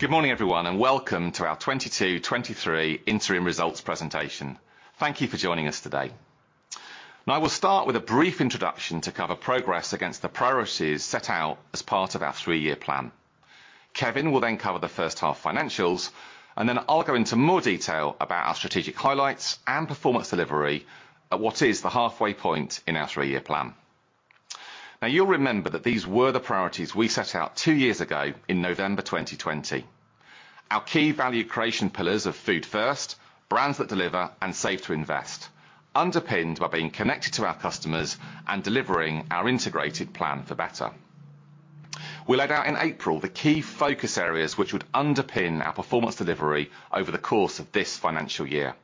Good morning, everyone, and welcome to our 2022-2023 interim results presentation. Thank you for joining us today. Now, I will start with a brief introduction to cover progress against the priorities set out as part of our three-year plan. Kevin will then cover the first half financials, and then I'll go into more detail about our strategic highlights and performance delivery at what is the halfway point in our three-year plan. Now, you'll remember that these were the priorities we set out two years ago in November 2020. Our key value creation pillars of food first, brands that deliver, and safe to invest, underpinned by being connected to our customers and delivering our integrated Plan for Better. We laid out in April the key focus areas which would underpin our performance delivery over the course of this financial year.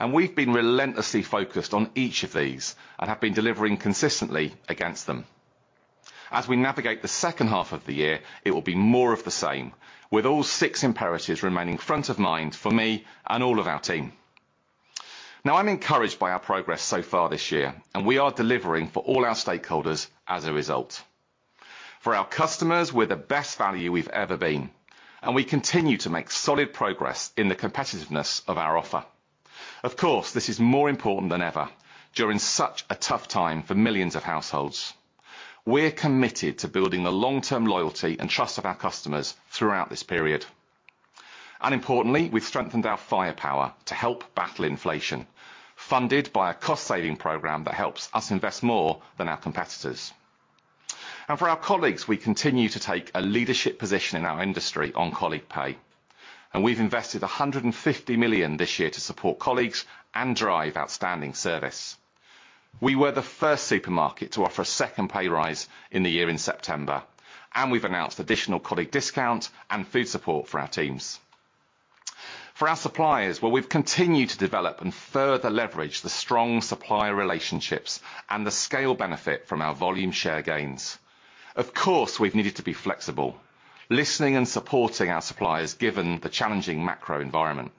We've been relentlessly focused on each of these and have been delivering consistently against them. As we navigate the second half of the year, it will be more of the same with all six imperatives remaining front of mind for me and all of our team. Now, I'm encouraged by our progress so far this year, and we are delivering for all our stakeholders as a result. For our customers, we're the best value we've ever been, and we continue to make solid progress in the competitiveness of our offer. Of course, this is more important than ever during such a tough time for millions of households. We're committed to building the long-term loyalty and trust of our customers throughout this period. Importantly, we've strengthened our firepower to help battle inflation, funded by a cost-saving program that helps us invest more than our competitors. For our colleagues, we continue to take a leadership position in our industry on colleague pay, and we've invested 150 million this year to support colleagues and drive outstanding service. We were the first supermarket to offer a second pay raise in the year in September, and we've announced additional colleague discount and food support for our teams. For our suppliers, well, we've continued to develop and further leverage the strong supplier relationships and the scale benefit from our volume share gains. Of course, we've needed to be flexible, listening and supporting our suppliers given the challenging macro environment,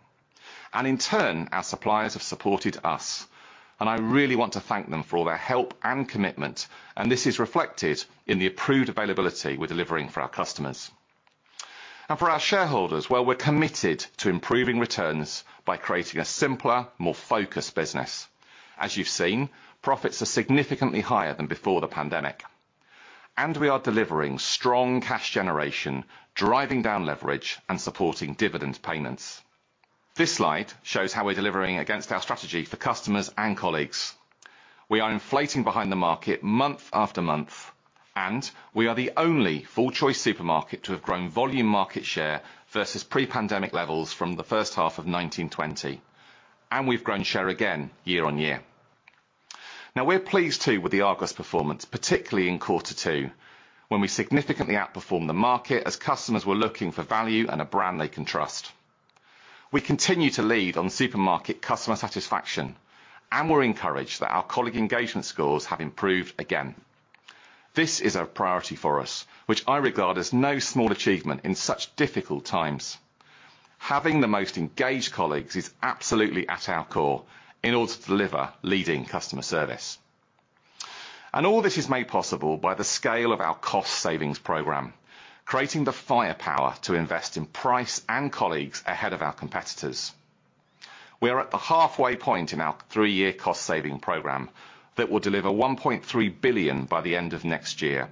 and in turn, our suppliers have supported us, and I really want to thank them for all their help and commitment, and this is reflected in the approved availability we're delivering for our customers. For our shareholders, well, we're committed to improving returns by creating a simpler, more focused business. As you've seen, profits are significantly higher than before the pandemic, and we are delivering strong cash generation, driving down leverage, and supporting dividend payments. This slide shows how we're delivering against our strategy for customers and colleagues. We are inflating behind the market month after month, and we are the only full-choice supermarket to have grown volume market share versus pre-pandemic levels from the first half of 2019-2020, and we've grown share again year-over-year. Now, we're pleased too with the Argos performance, particularly in quarter two when we significantly outperformed the market as customers were looking for value and a brand they can trust. We continue to lead on supermarket customer satisfaction, and we're encouraged that our colleague engagement scores have improved again. This is a priority for us, which I regard as no small achievement in such difficult times. Having the most engaged colleagues is absolutely at our core in order to deliver leading customer service. All this is made possible by the scale of our cost savings program, creating the firepower to invest in price and colleagues ahead of our competitors. We are at the halfway point in our three-year cost saving program that will deliver 1.3 billion by the end of next year,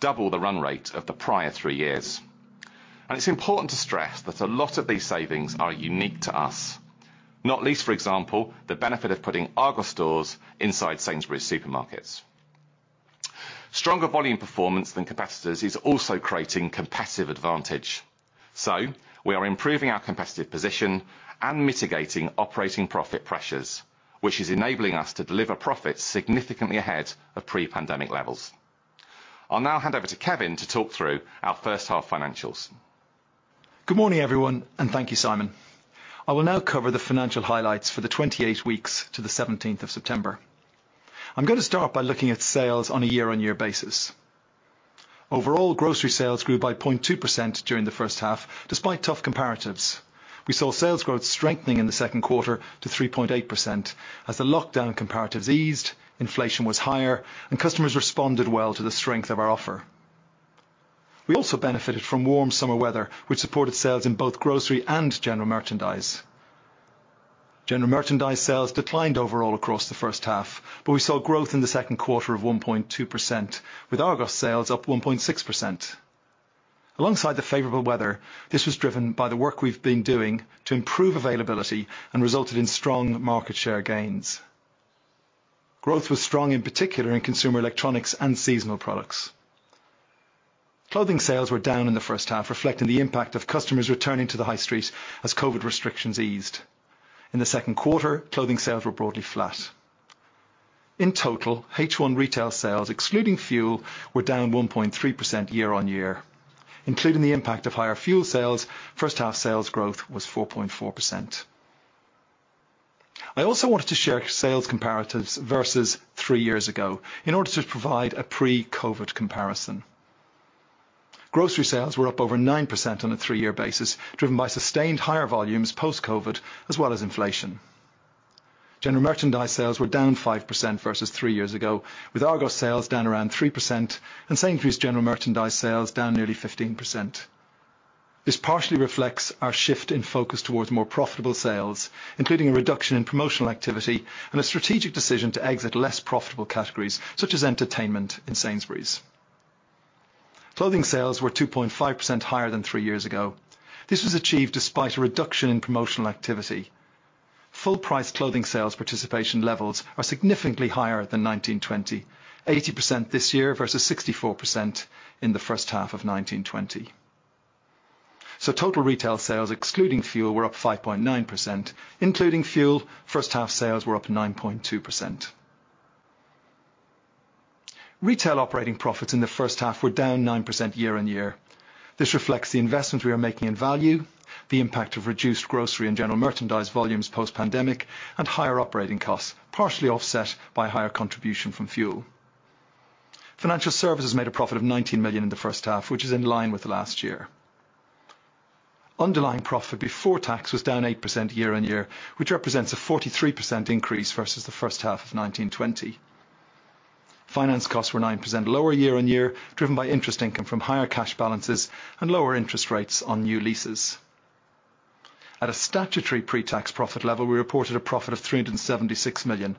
double the run rate of the prior three years. It's important to stress that a lot of these savings are unique to us, not least, for example, the benefit of putting Argos stores inside Sainsbury's supermarkets. Stronger volume performance than competitors is also creating competitive advantage. We are improving our competitive position and mitigating operating profit pressures, which is enabling us to deliver profits significantly ahead of pre-pandemic levels. I'll now hand over to Kevin to talk through our first half financials. Good morning, everyone, and thank you, Simon. I will now cover the financial highlights for the 28 weeks to the 17th of September. I'm gonna start by looking at sales on a year-on-year basis. Overall, grocery sales grew by 0.2% during the first half, despite tough comparatives. We saw sales growth strengthening in the second quarter to 3.8% as the lockdown comparatives eased, inflation was higher, and customers responded well to the strength of our offer. We also benefited from warm summer weather, which supported sales in both grocery and general merchandise. General merchandise sales declined overall across the first half, but we saw growth in the second quarter of 1.2% with Argos sales up 1.6%. Alongside the favorable weather, this was driven by the work we've been doing to improve availability and resulted in strong market share gains. Growth was strong, in particular, in consumer electronics and seasonal products. Clothing sales were down in the first half, reflecting the impact of customers returning to the high street as COVID restrictions eased. In the second quarter, clothing sales were broadly flat. In total, H1 retail sales, excluding fuel, were down 1.3% year-over-year. Including the impact of higher fuel sales, first half sales growth was 4.4%. I also wanted to share sales comparatives versus three years ago in order to provide a pre-COVID comparison. Grocery sales were up over 9% on a three-year basis, driven by sustained higher volumes post-COVID, as well as inflation. General merchandise sales were down 5% versus three years ago, with Argos sales down around 3% and Sainsbury's general merchandise sales down nearly 15%. This partially reflects our shift in focus towards more profitable sales, including a reduction in promotional activity and a strategic decision to exit less profitable categories such as entertainment in Sainsbury's. Clothing sales were 2.5% higher than three years ago. This was achieved despite a reduction in promotional activity. Full price clothing sales participation levels are significantly higher than 2019/2020. 80% this year versus 64% in the first half of 2019/2020. Total retail sales excluding fuel were up 5.9%, including fuel first half sales were up 9.2%. Retail operating profits in the first half were down 9% year-on-year. This reflects the investment we are making in value, the impact of reduced grocery and general merchandise volumes post-pandemic, and higher operating costs, partially offset by higher contribution from fuel. Financial services made a profit of 19 million in the first half, which is in line with last year. Underlying profit before tax was down 8% year-on-year, which represents a 43% increase versus the first half of 2019/2020. Finance costs were 9% lower year-on-year, driven by interest income from higher cash balances and lower interest rates on new leases. At a statutory pre-tax profit level, we reported a profit of 376 million.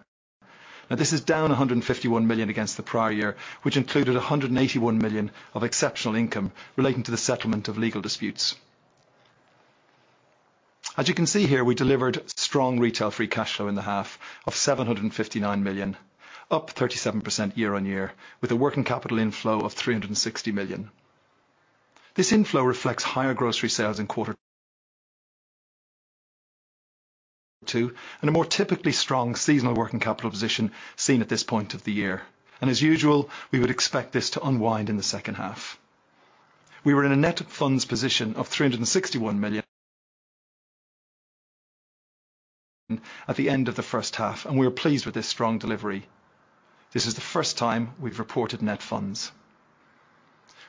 This is down 151 million against the prior year, which included 181 million of exceptional income relating to the settlement of legal disputes. We delivered strong retail free cash flow in the half of 759 million, up 37% year-on-year, with a working capital inflow of 360 million. This inflow reflects higher grocery sales in quarter two and a more typically strong seasonal working capital position seen at this point of the year. As usual, we would expect this to unwind in the second half. We were in a net funds position of 361 million at the end of the first half, and we are pleased with this strong delivery. This is the first time we've reported net funds.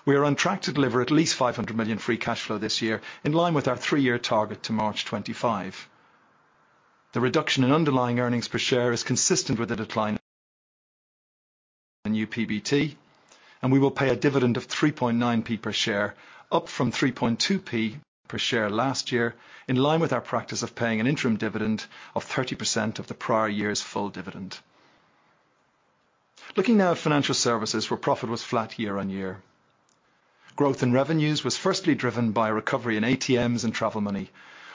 We are on track to deliver at least 500 million free cash flow this year in line with our three-year target to March 2025. The reduction in underlying earnings per share is consistent with the decline in PBT and UPBT, and we will pay a dividend of 3.9p per share, up from 3.2p per share last year, in line with our practice of paying an interim dividend of 30% of the prior year's full dividend. Looking now at financial services, where profit was flat year-on-year. Growth in revenues was firstly driven by recovery in ATMs and travel money,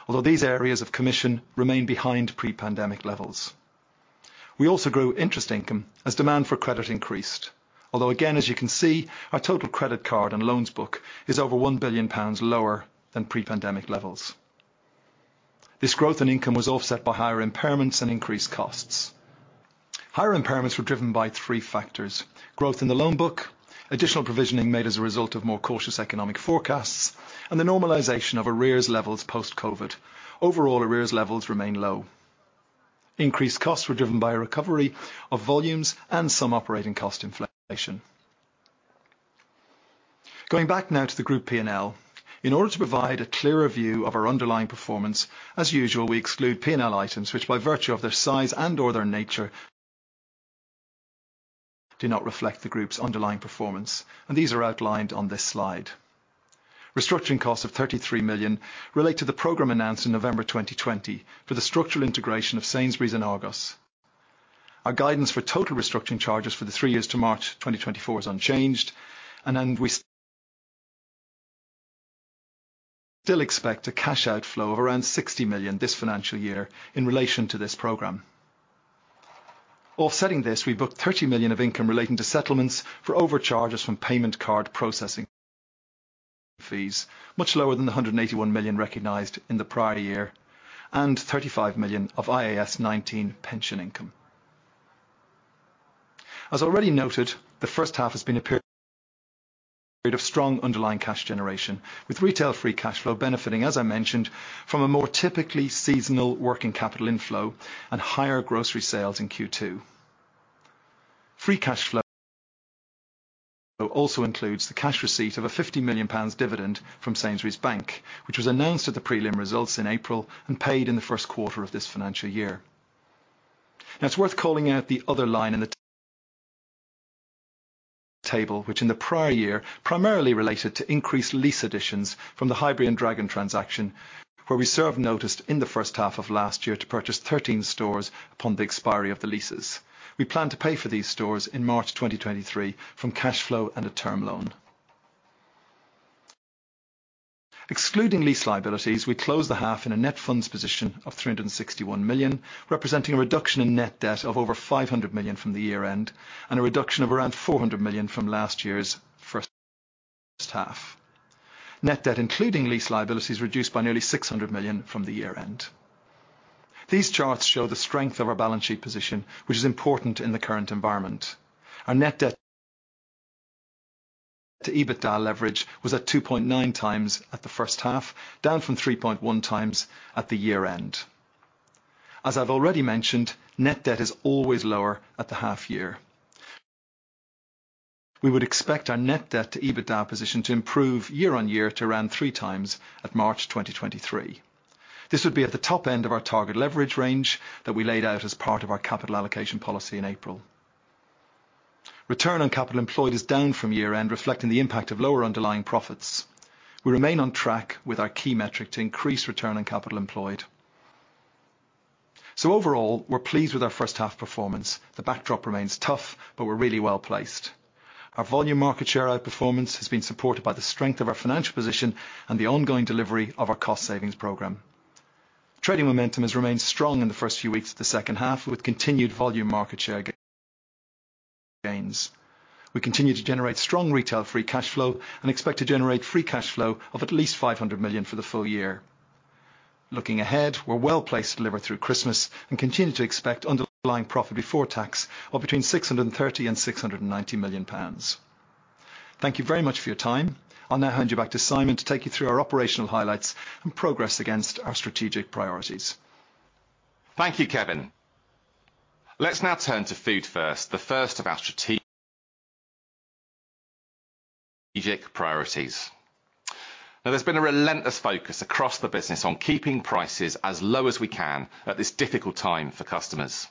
although these areas of commission remain behind pre-pandemic levels. We also grew interest income as demand for credit increased. Although again, as you can see, our total credit card and loans book is over 1 billion pounds lower than pre-pandemic levels. This growth in income was offset by higher impairments and increased costs. Higher impairments were driven by three factors, growth in the loan book, additional provisioning made as a result of more cautious economic forecasts, and the normalization of arrears levels post-COVID. Overall, arrears levels remain low. Increased costs were driven by a recovery of volumes and some operating cost inflation. Going back now to the group P&L. In order to provide a clearer view of our underlying performance, as usual, we exclude P&L items, which by virtue of their size and/or their nature do not reflect the group's underlying performance, and these are outlined on this slide. Restructuring costs of 33 million relate to the program announced in November 2020 for the structural integration of Sainsbury's and Argos. Our guidance for total restructuring charges for the three years to March 2024 is unchanged, and then we still expect a cash outflow of around 60 million this financial year in relation to this program. Offsetting this, we booked 30 million of income relating to settlements for overcharges from payment card processing fees, much lower than the 181 million recognized in the prior year, and 35 million of IAS 19 pension income. As already noted, the first half has been a period of strong underlying cash generation, with retail free cash flow benefiting, as I mentioned, from a more typically seasonal working capital inflow and higher grocery sales in Q2. Free cash flow also includes the cash receipt of a 50 million pounds dividend from Sainsbury's Bank, which was announced at the prelim results in April and paid in the first quarter of this financial year. Now it's worth calling out the other line in the table, which in the prior year primarily related to increased lease additions from the Highbury and Dragon transaction, where we served notice in the first half of last year to purchase 13 stores upon the expiry of the leases. We plan to pay for these stores in March 2023 from cash flow and a term loan. Excluding lease liabilities, we closed the half in a net funds position of 361 million, representing a reduction in net debt of over 500 million from the year-end, and a reduction of around 400 million from last year's first half. Net debt, including lease liabilities, reduced by nearly 600 million from the year-end. These charts show the strength of our balance sheet position, which is important in the current environment. Our net debt to EBITDA leverage was at 2.9x at the first half, down from 3.1x at the year-end. As I've already mentioned, net debt is always lower at the half year. We would expect our net debt to EBITDA position to improve year on year to around 3x at March 2023. This would be at the top end of our target leverage range that we laid out as part of our capital allocation policy in April. Return on capital employed is down from year-end, reflecting the impact of lower underlying profits. We remain on track with our key metric to increase return on capital employed. Overall, we're pleased with our first half performance. The backdrop remains tough, but we're really well-placed. Our volume market share outperformance has been supported by the strength of our financial position and the ongoing delivery of our cost savings program. Trading momentum has remained strong in the first few weeks of the second half, with continued volume market share gains. We continue to generate strong retail free cash flow and expect to generate free cash flow of at least 500 million for the full year. Looking ahead, we're well-placed to deliver through Christmas and continue to expect underlying profit before tax of between 630 million and 690 million pounds. Thank you very much for your time. I'll now hand you back to Simon to take you through our operational highlights and progress against our strategic priorities. Thank you, Kevin. Let's now turn to food first, the first of our strategic priorities. Now, there's been a relentless focus across the business on keeping prices as low as we can at this difficult time for customers.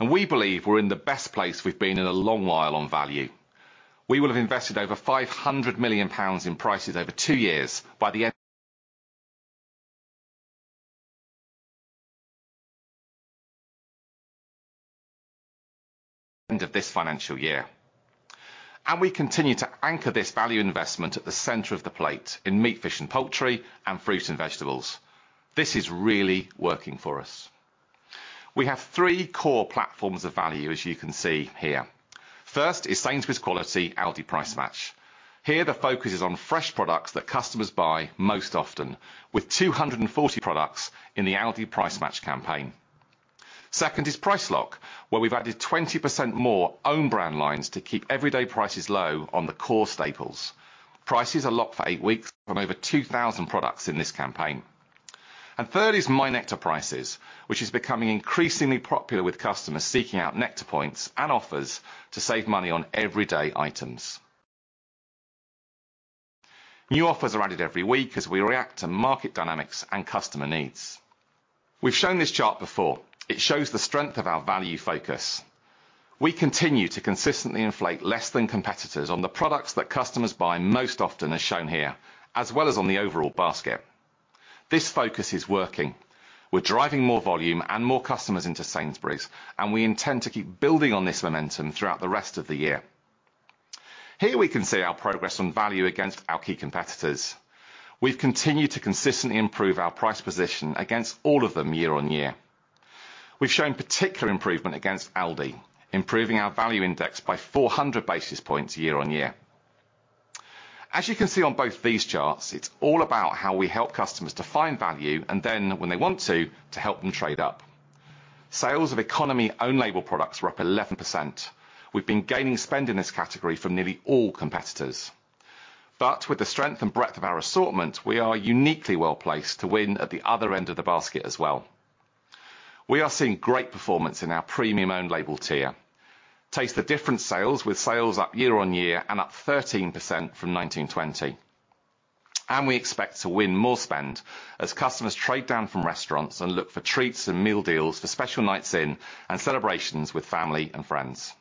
We believe we're in the best place we've been in a long while on value. We will have invested over 500 million pounds in prices over two years by the end of this financial year. We continue to anchor this value investment at the center of the plate in meat, fish and poultry and fruit and vegetables. This is really working for us. We have three core platforms of value, as you can see here. First is Sainsbury's Quality, Aldi Price Match. Here, the focus is on fresh products that customers buy most often, with 240 products in the Aldi Price Match campaign. Second is Price Lock, where we've added 20% more own brand lines to keep everyday prices low on the core staples. Prices are locked for eight weeks on over 2,000 products in this campaign. Third is Your Nectar Prices, which is becoming increasingly popular with customers seeking out Nectar points and offers to save money on everyday items. New offers are added every week as we react to market dynamics and customer needs. We've shown this chart before. It shows the strength of our value focus. We continue to consistently inflate less than competitors on the products that customers buy most often, as shown here, as well as on the overall basket. This focus is working. We're driving more volume and more customers into Sainsbury's, and we intend to keep building on this momentum throughout the rest of the year. Here we can see our progress on value against our key competitors. We've continued to consistently improve our price position against all of them year on year. We've shown particular improvement against Aldi, improving our value index by 400 basis points year on year. As you can see on both these charts, it's all about how we help customers to find value and then when they want to help them trade up. Sales of economy own label products were up 11%. We've been gaining spend in this category from nearly all competitors. With the strength and breadth of our assortment, we are uniquely well-placed to win at the other end of the basket as well. We are seeing great performance in our premium own label tier. Taste the Difference sales, with sales up year on year and up 13% from 2019/2020. We expect to win more spend as customers trade down from restaurants and look for treats and meal deals for special nights in and celebrations with family and friends.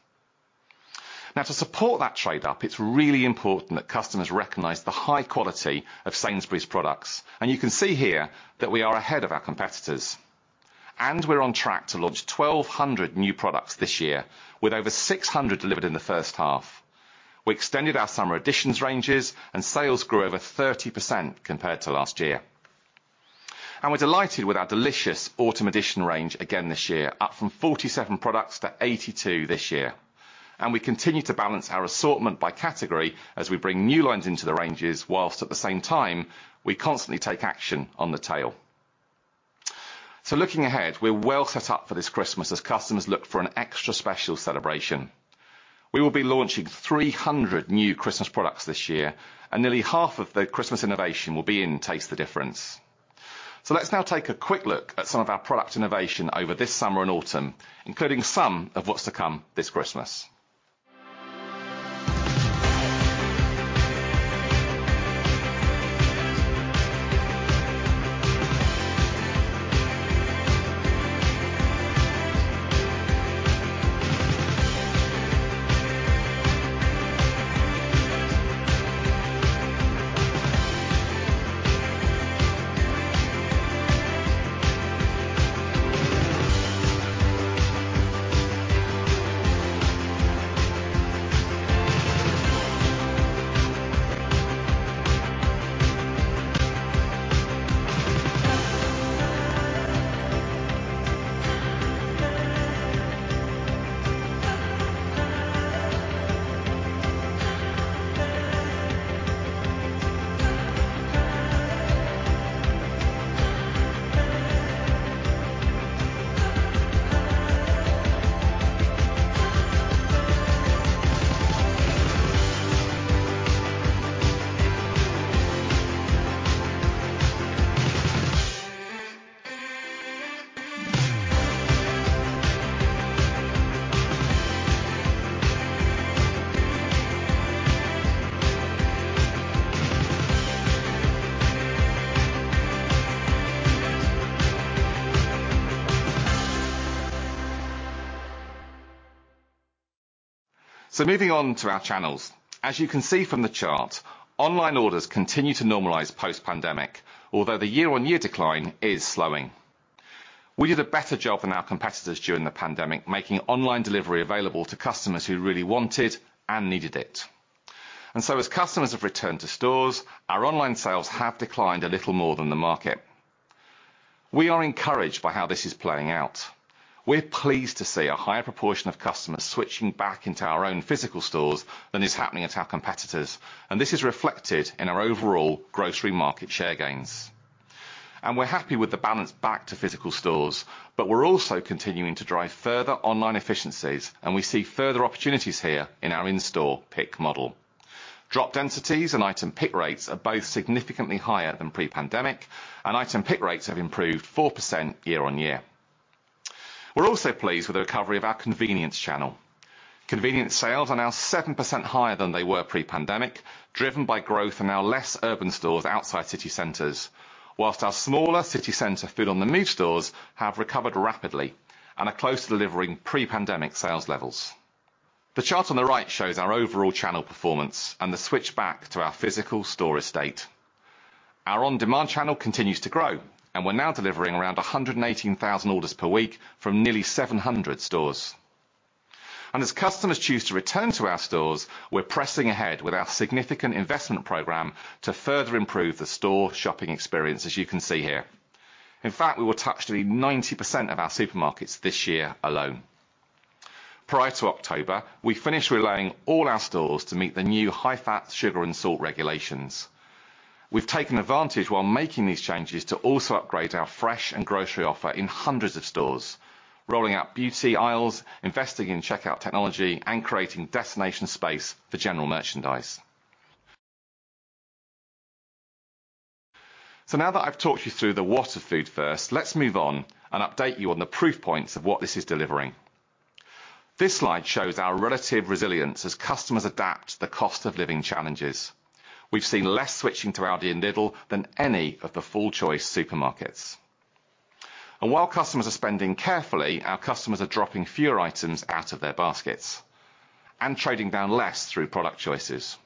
Now to support that trade up, it's really important that customers recognize the high quality of Sainsbury's products. You can see here that we are ahead of our competitors. We're on track to launch 1,200 new products this year, with over 600 delivered in the first half. We extended our Summer Editions ranges and sales grew over 30% compared to last year. We're delighted with our delicious Autumn Edition range again this year, up from 47 products to 82 this year. We continue to balance our assortment by category as we bring new lines into the ranges, while at the same time, we constantly take action on the tail. Looking ahead, we're well set up for this Christmas as customers look for an extra special celebration. We will be launching 300 new Christmas products this year, and nearly half of the Christmas innovation will be in Taste the Difference. Let's now take a quick look at some of our product innovation over this summer and autumn, including some of what's to come this Christmas. Moving on to our channels. As you can see from the chart, online orders continue to normalize post-pandemic, although the year-on-year decline is slowing. We did a better job than our competitors during the pandemic, making online delivery available to customers who really wanted and needed it. As customers have returned to stores, our online sales have declined a little more than the market. We are encouraged by how this is playing out. We're pleased to see a higher proportion of customers switching back into our own physical stores than is happening at our competitors, and this is reflected in our overall grocery market share gains. We're happy with the balance back to physical stores, but we're also continuing to drive further online efficiencies, and we see further opportunities here in our in-store pick model. Drop densities and item pick rates are both significantly higher than pre-pandemic and item pick rates have improved 4% year-on-year. We're also pleased with the recovery of our convenience channel. Convenience sales are now 7% higher than they were pre-pandemic, driven by growth in our less urban stores outside city centers, while our smaller city center food on the move stores have recovered rapidly and are close to delivering pre-pandemic sales levels. The chart on the right shows our overall channel performance and the switch back to our physical store estate. Our on-demand channel continues to grow, and we're now delivering around 118,000 orders per week from nearly 700 stores. As customers choose to return to our stores, we're pressing ahead with our significant investment program to further improve the store shopping experience, as you can see here. In fact, we will touch 90% of our supermarkets this year alone. Prior to October, we finished refurbishing all our stores to meet the new high-fat, sugar, and salt regulations. We've taken advantage while making these changes to also upgrade our fresh and grocery offer in hundreds of stores, rolling out beauty aisles, investing in checkout technology, and creating destination space for general merchandise. Now that I've talked you through the what of Food First, let's move on and update you on the proof points of what this is delivering. This slide shows our relative resilience as customers adapt to the cost of living challenges. We've seen less switching to Aldi and Lidl than any of the full-choice supermarkets. While customers are spending carefully, our customers are dropping fewer items out of their baskets and trading down less through product choices.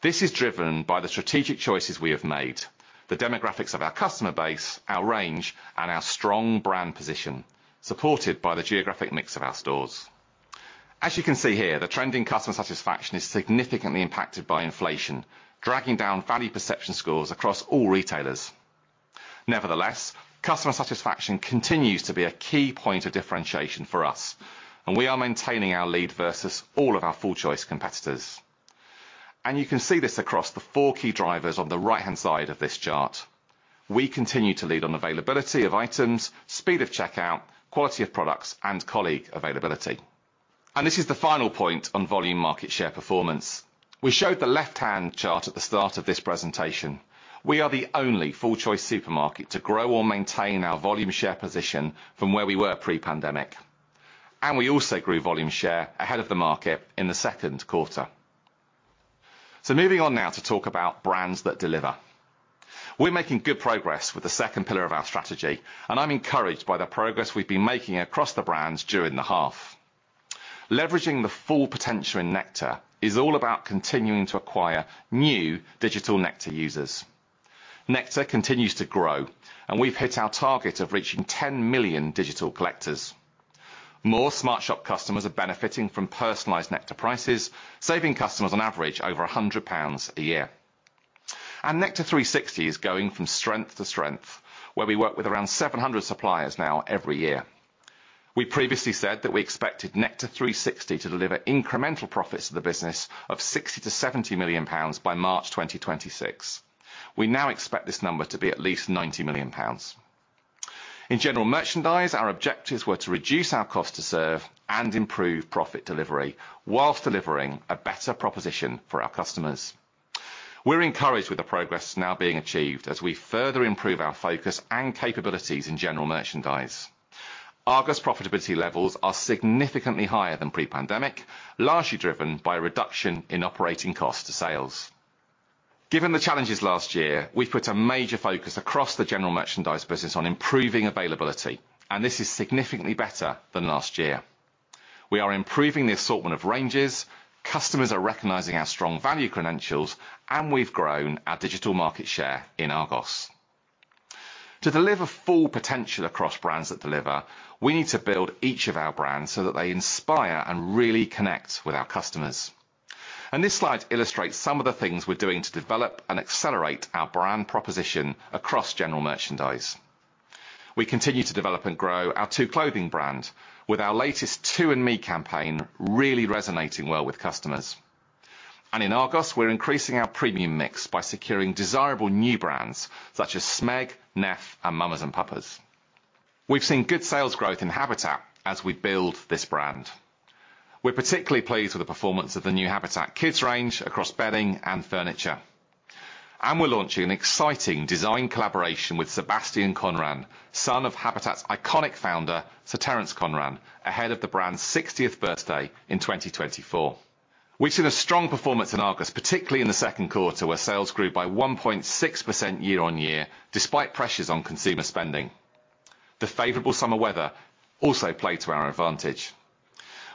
This is driven by the strategic choices we have made, the demographics of our customer base, our range, and our strong brand position, supported by the geographic mix of our stores. As you can see here, the trending customer satisfaction is significantly impacted by inflation, dragging down value perception scores across all retailers. Nevertheless, customer satisfaction continues to be a key point of differentiation for us, and we are maintaining our lead versus all of our full-choice competitors. You can see this across the four key drivers on the right-hand side of this chart. We continue to lead on availability of items, speed of checkout, quality of products, and colleague availability. This is the final point on volume market share performance. We showed the left-hand chart at the start of this presentation. We are the only full-choice supermarket to grow or maintain our volume share position from where we were pre-pandemic. We also grew volume share ahead of the market in the second quarter. Moving on now to talk about brands that deliver. We're making good progress with the second pillar of our strategy, and I'm encouraged by the progress we've been making across the brands during the half. Leveraging the full potential in Nectar is all about continuing to acquire new digital Nectar users. Nectar continues to grow, and we've hit our target of reaching 10 million digital collectors. More SmartShop customers are benefiting from personalized Nectar prices, saving customers on average over 100 pounds a year. Nectar360 is going from strength to strength, where we work with around 700 suppliers now every year. We previously said that we expected Nectar360 to deliver incremental profits to the business of 60 million-70 million pounds by March 2026. We now expect this number to be at least 90 million pounds. In general merchandise, our objectives were to reduce our cost to serve and improve profit delivery while delivering a better proposition for our customers. We're encouraged with the progress now being achieved as we further improve our focus and capabilities in general merchandise. Argos profitability levels are significantly higher than pre-pandemic, largely driven by a reduction in operating cost to sales. Given the challenges last year, we've put a major focus across the general merchandise business on improving availability, and this is significantly better than last year. We are improving the assortment of ranges. Customers are recognizing our strong value credentials, and we've grown our digital market share in Argos. To deliver full potential across brands that deliver, we need to build each of our brands so that they inspire and really connect with our customers. This slide illustrates some of the things we're doing to develop and accelerate our brand proposition across general merchandise. We continue to develop and grow our Tu Clothing brand with our latest Tu & Me campaign really resonating well with customers. In Argos, we're increasing our premium mix by securing desirable new brands such as Smeg, Neff, and Mamas & Papas. We've seen good sales growth in Habitat as we build this brand. We're particularly pleased with the performance of the new Habitat Kids range across bedding and furniture. We're launching an exciting design collaboration with Sebastian Conran, son of Habitat's iconic founder, Sir Terence Conran, ahead of the brand's 60th birthday in 2024. We've seen a strong performance in Argos, particularly in the second quarter, where sales grew by 1.6% year-on-year despite pressures on consumer spending. The favorable summer weather also played to our advantage.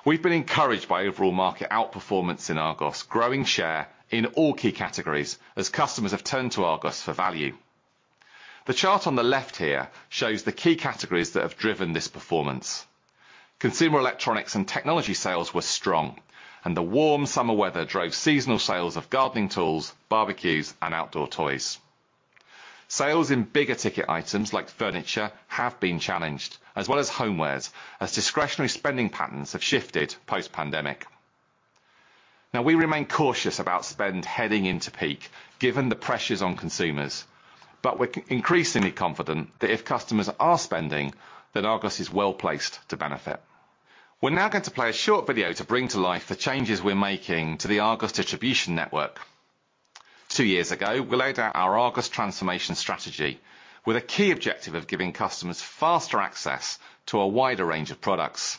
We've been encouraged by overall market outperformance in Argos, growing share in all key categories as customers have turned to Argos for value. The chart on the left here shows the key categories that have driven this performance. Consumer electronics and technology sales were strong, and the warm summer weather drove seasonal sales of gardening tools, barbecues, and outdoor toys. Sales in big-ticket items like furniture have been challenged, as well as homewares, as discretionary spending patterns have shifted post-pandemic. Now we remain cautious about spend heading into peak given the pressures on consumers. We're increasingly confident that if customers are spending, then Argos is well-placed to benefit. We're now going to play a short video to bring to life the changes we're making to the Argos distribution network. Two years ago, we laid out our Argos transformation strategy with a key objective of giving customers faster access to a wider range of products.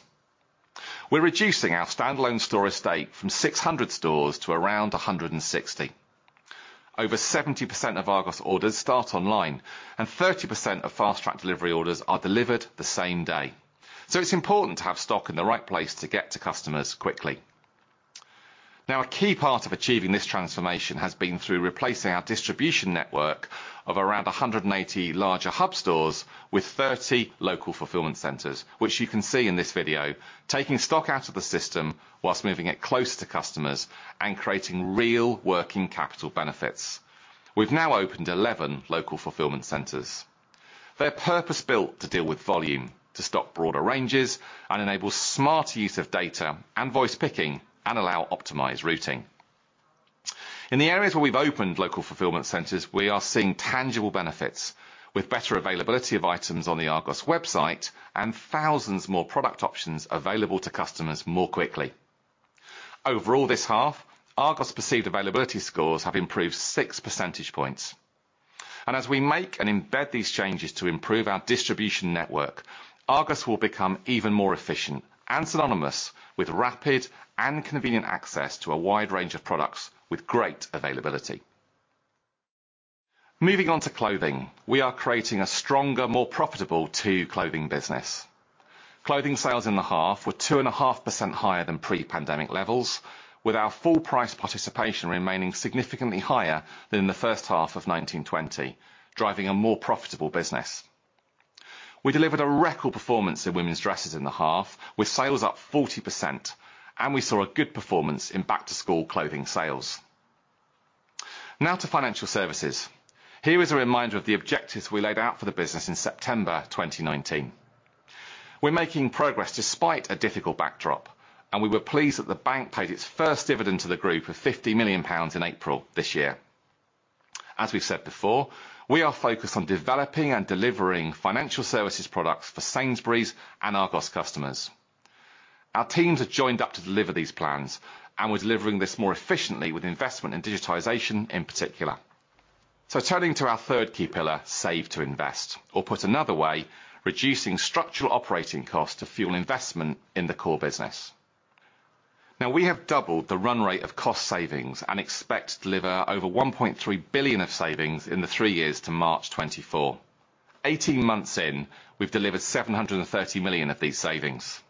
We're reducing our standalone store estate from 600 stores to around 160. Over 70% of Argos orders start online, and 30% of Fast Track delivery orders are delivered the same day. It's important to have stock in the right place to get to customers quickly. Now a key part of achieving this transformation has been through replacing our distribution network of around 180 larger hub stores with 30 local fulfillment centers, which you can see in this video, taking stock out of the system while moving it closer to customers and creating real working capital benefits. We've now opened 11 local fulfillment centers. They're purpose-built to deal with volume, to stock broader ranges, and enable smarter use of data and voice picking, and allow optimized routing. In the areas where we've opened local fulfillment centers, we are seeing tangible benefits, with better availability of items on the Argos website and thousands more product options available to customers more quickly. Overall this half, Argos perceived availability scores have improved six percentage points. As we make and embed these changes to improve our distribution network, Argos will become even more efficient and synonymous with rapid and convenient access to a wide range of products with great availability. Moving on to clothing, we are creating a stronger, more profitable Tu clothing business. Clothing sales in the half were 2.5% higher than pre-pandemic levels, with our full price participation remaining significantly higher than in the first half of 2019/2020, driving a more profitable business. We delivered a record performance in women's dresses in the half, with sales up 40%, and we saw a good performance in back-to-school clothing sales. Now to financial services. Here is a reminder of the objectives we laid out for the business in September 2019. We're making progress despite a difficult backdrop, and we were pleased that the bank paid its first dividend to the group of 50 million pounds in April this year. As we've said before, we are focused on developing and delivering financial services products for Sainsbury's and Argos customers. Our teams have joined up to deliver these plans and we're delivering this more efficiently with investment in digitization in particular. Turning to our third key pillar, save to invest, or put another way, reducing structural operating costs to fuel investment in the core business. Now we have doubled the run rate of cost savings and expect to deliver over 1.3 billion of savings in the three years to March 2024. Eighteen months in, we've delivered 730 million of these savings.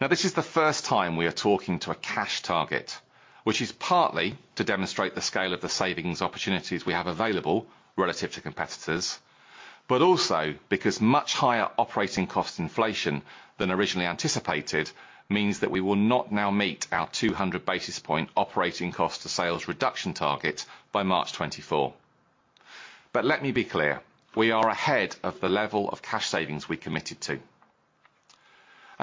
Now this is the first time we are talking to a cash target, which is partly to demonstrate the scale of the savings opportunities we have available relative to competitors, but also because much higher operating cost inflation than originally anticipated means that we will not now meet our 200 basis points operating cost to sales reduction target by March 2024. Let me be clear, we are ahead of the level of cash savings we committed to.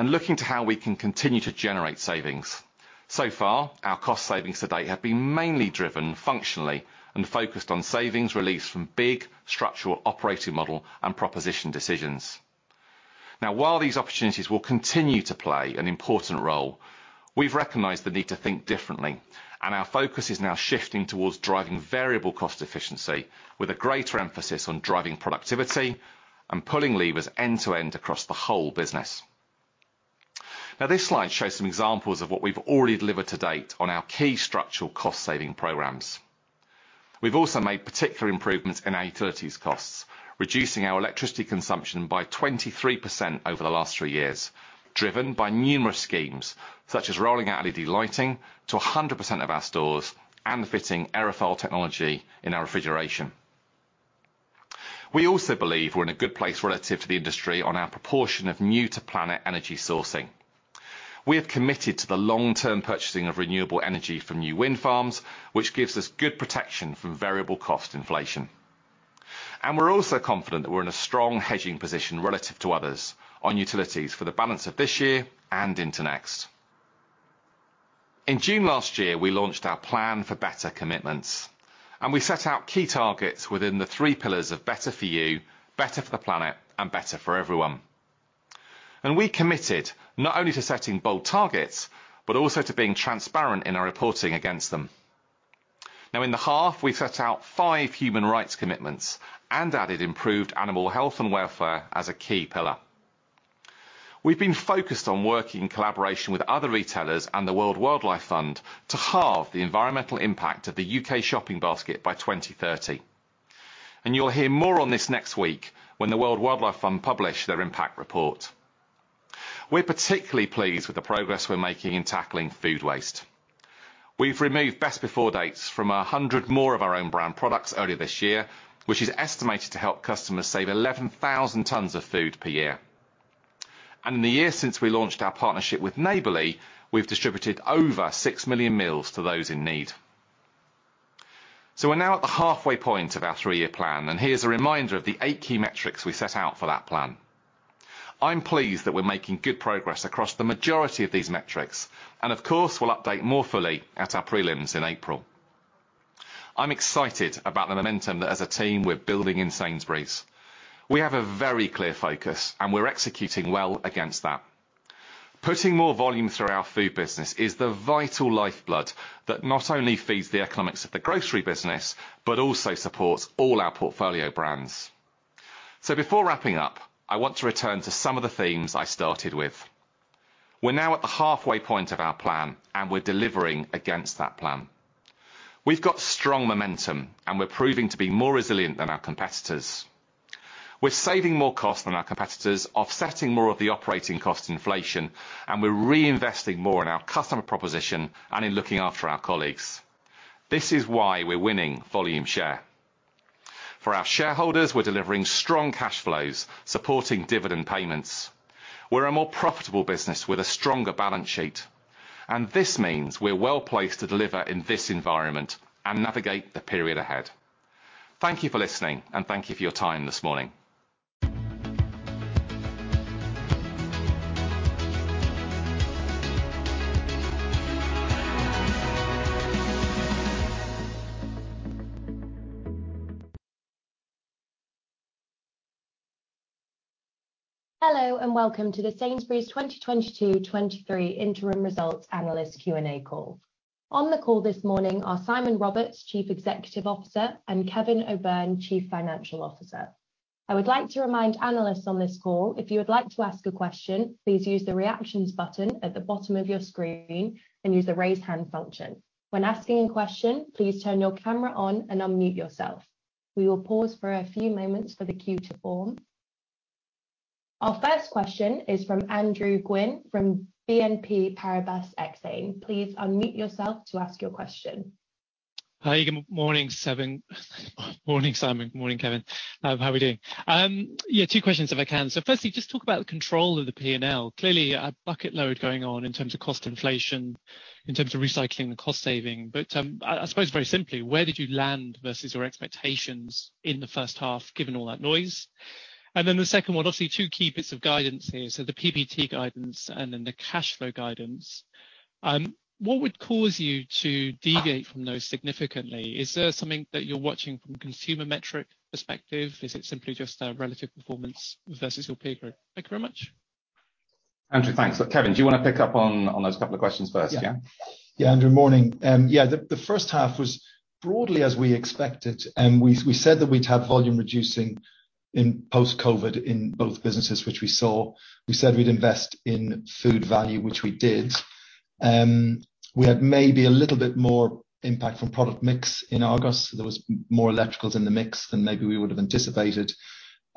Looking to how we can continue to generate savings. So far, our cost savings to date have been mainly driven functionally and focused on savings released from big structural operating model and proposition decisions. Now while these opportunities will continue to play an important role, we've recognized the need to think differently, and our focus is now shifting towards driving variable cost efficiency with a greater emphasis on driving productivity and pulling levers end to end across the whole business. Now this slide shows some examples of what we've already delivered to date on our key structural cost saving programs. We've also made particular improvements in our utilities costs, reducing our electricity consumption by 23% over the last three years, driven by numerous schemes such as rolling out LED lighting to 100% of our stores and fitting Aerofoil technology in our refrigeration. We also believe we're in a good place relative to the industry on our proportion of new to planet energy sourcing. We have committed to the long-term purchasing of renewable energy from new wind farms, which gives us good protection from variable cost inflation. We're also confident that we're in a strong hedging position relative to others on utilities for the balance of this year and into next. In June last year, we launched our Plan for Better commitments, and we set out key targets within the three pillars of better for you, better for the planet, and better for everyone. We committed not only to setting bold targets, but also to being transparent in our reporting against them. Now, in the half, we set out five human rights commitments and added improved animal health and welfare as a key pillar. We've been focused on working in collaboration with other retailers and the World Wildlife Fund to halve the environmental impact of the UK shopping basket by 2030. You'll hear more on this next week when the World Wildlife Fund publish their impact report. We're particularly pleased with the progress we're making in tackling food waste. We've removed best before dates from 100 more of our own brand products earlier this year, which is estimated to help customers save 11,000 tons of food per year. In the year since we launched our partnership with Neighbourly, we've distributed over 6 million meals to those in need. We're now at the halfway point of our three-year plan, and here's a reminder of the eight key metrics we set out for that plan. I'm pleased that we're making good progress across the majority of these metrics, and of course, we'll update more fully at our prelims in April. I'm excited about the momentum that as a team we're building in Sainsbury's. We have a very clear focus, and we're executing well against that. Putting more volume through our food business is the vital lifeblood that not only feeds the economics of the grocery business, but also supports all our portfolio brands. Before wrapping up, I want to return to some of the themes I started with. We're now at the halfway point of our plan, and we're delivering against that plan. We've got strong momentum, and we're proving to be more resilient than our competitors. We're saving more costs than our competitors, offsetting more of the operating cost inflation, and we're reinvesting more in our customer proposition and in looking after our colleagues. This is why we're winning volume share. For our shareholders, we're delivering strong cash flows, supporting dividend payments. We're a more profitable business with a stronger balance sheet, and this means we're well-placed to deliver in this environment and navigate the period ahead. Thank you for listening, and thank you for your time this morning. Hello, and welcome to the Sainsbury's 2022/2023 interim results analyst Q&A call. On the call this morning are Simon Roberts, Chief Executive Officer, and Kevin O'Byrne, Chief Financial Officer. I would like to remind analysts on this call, if you would like to ask a question, please use the reactions button at the bottom of your screen and use the raise hand function. When asking a question, please turn your camera on and unmute yourself. We will pause for a few moments for the queue to form. Our first question is from Andrew Gwynn from BNP Paribas Exane. Please unmute yourself to ask your question. Hi, good morning, Simon. Morning, Simon. Morning, Kevin. How are we doing? Yeah, two questions if I can. Firstly, just talk about the control of the P&L. Clearly, a bucket load going on in terms of cost inflation, in terms of recycling the cost saving. I suppose very simply, where did you land versus your expectations in the first half, given all that noise? Then the second one, obviously two key bits of guidance here. The PBT guidance and then the cash flow guidance. What would cause you to deviate from those significantly? Is there something that you're watching from consumer metric perspective? Is it simply just a relative performance versus your peer group? Thank you very much. Andrew, thanks. Kevin, do you wanna pick up on those couple of questions first, yeah? Yeah. Andrew, Morning. Yeah, the first half was broadly as we expected. We said that we'd have volume reducing in post-COVID in both businesses, which we saw. We said we'd invest in food value, which we did. We had maybe a little bit more impact from product mix in Argos. There was more electricals in the mix than maybe we would have anticipated.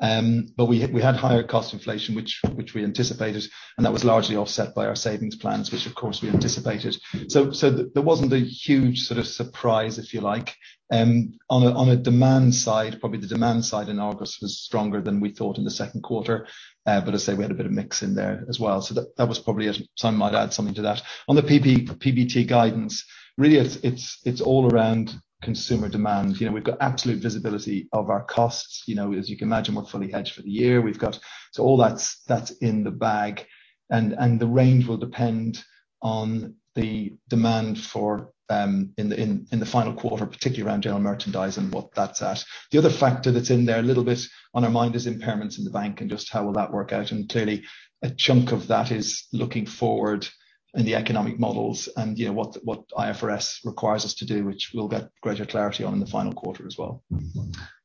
We had higher cost inflation, which we anticipated, and that was largely offset by our savings plans, which of course we anticipated. There wasn't a huge sort of surprise, if you like. On a demand side, probably the demand side in August was stronger than we thought in the second quarter. As I say, we had a bit of mix in there as well. That was probably it. Simon might add something to that. On the UPBT guidance, really it's all around consumer demand. You know, we've got absolute visibility of our costs. You know, as you can imagine, we're fully hedged for the year. We've got. So all that's in the bag. The range will depend on the demand in the final quarter, particularly around general merchandise and what that's at. The other factor that's in there a little bit on our mind is impairments in the bank and just how that will work out. Clearly a chunk of that is looking forward in the economic models and, you know, what IFRS requires us to do, which we'll get greater clarity on in the final quarter as well.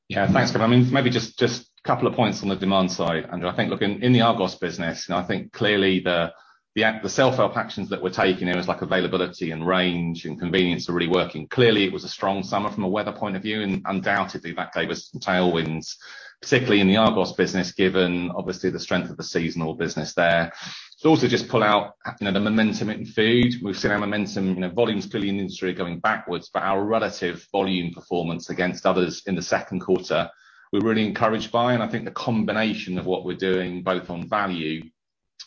Yeah. Thanks, Kevin. I mean, maybe just a couple of points on the demand side, Andrew. I think, look, in the Argos business, you know, I think clearly the self-help actions that we're taking there is like availability and range and convenience are really working. Clearly, it was a strong summer from a weather point of view, and undoubtedly that gave us some tailwinds, particularly in the Argos business, given obviously the strength of the seasonal business there. To also just pull out, you know, the momentum in food. We've seen our momentum, you know, volumes clearly in industry going backwards, but our relative volume performance against others in the second quarter, we're really encouraged by, and I think the combination of what we're doing both on value,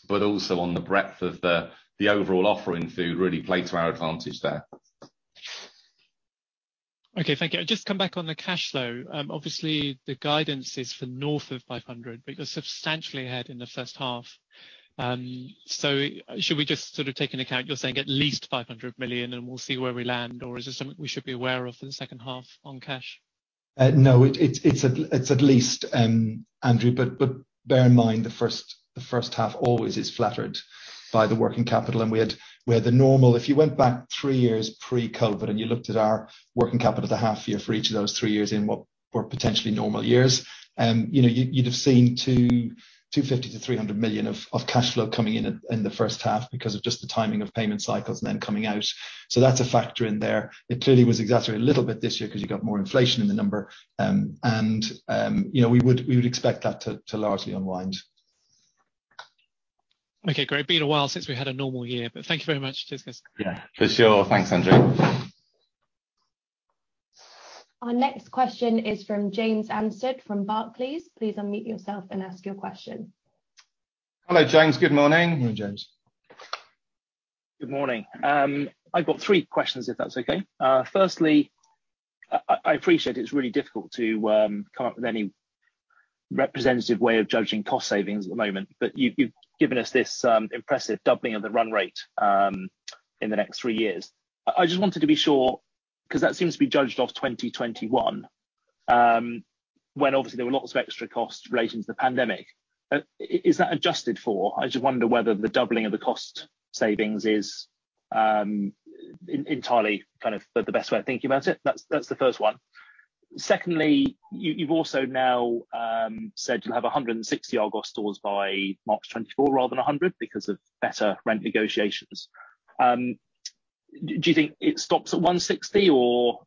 but also on the breadth of the overall offer in food really played to our advantage there. Okay, thank you. I'll just come back on the cash flow. Obviously the guidance is for north of 500 million, but you're substantially ahead in the first half. Should we just sort of take into account, you're saying at least 500 million and we'll see where we land, or is there something we should be aware of for the second half on cash? No, it's at least, Andrew. Bear in mind, the first half always is flattered by the working capital, and we had the normal. If you went back three years pre-COVID and you looked at our working capital at the half year for each of those three years in what were potentially normal years, you know, you'd have seen 250 million-300 million of cash flow coming in in the first half because of just the timing of payment cycles and then coming out. That's a factor in there. It clearly was exaggerated a little bit this year 'cause you got more inflation in the number. And you know, we would expect that to largely unwind. Okay, great. Been a while since we had a normal year, thank you very much. Cheers guys. Yeah. For sure. Thanks, Andrew. Our next question is from James Anstead from Barclays. Please unmute yourself and ask your question. Hello, James. Good morning. Morning, James. Good morning. I've got three questions, if that's okay. Firstly, I appreciate it's really difficult to come up with any representative way of judging cost savings at the moment, but you've given us this impressive doubling of the run rate in the next three years. I just wanted to be sure, 'cause that seems to be judged off 2021, when obviously there were lots of extra costs relating to the pandemic. Is that adjusted for? I just wonder whether the doubling of the cost savings is entirely kind of the best way of thinking about it. That's the first one. Secondly, you've also now said you'll have 160 Argos stores by March 2024 rather than 100 because of better rent negotiations. Do you think it stops at 160 or,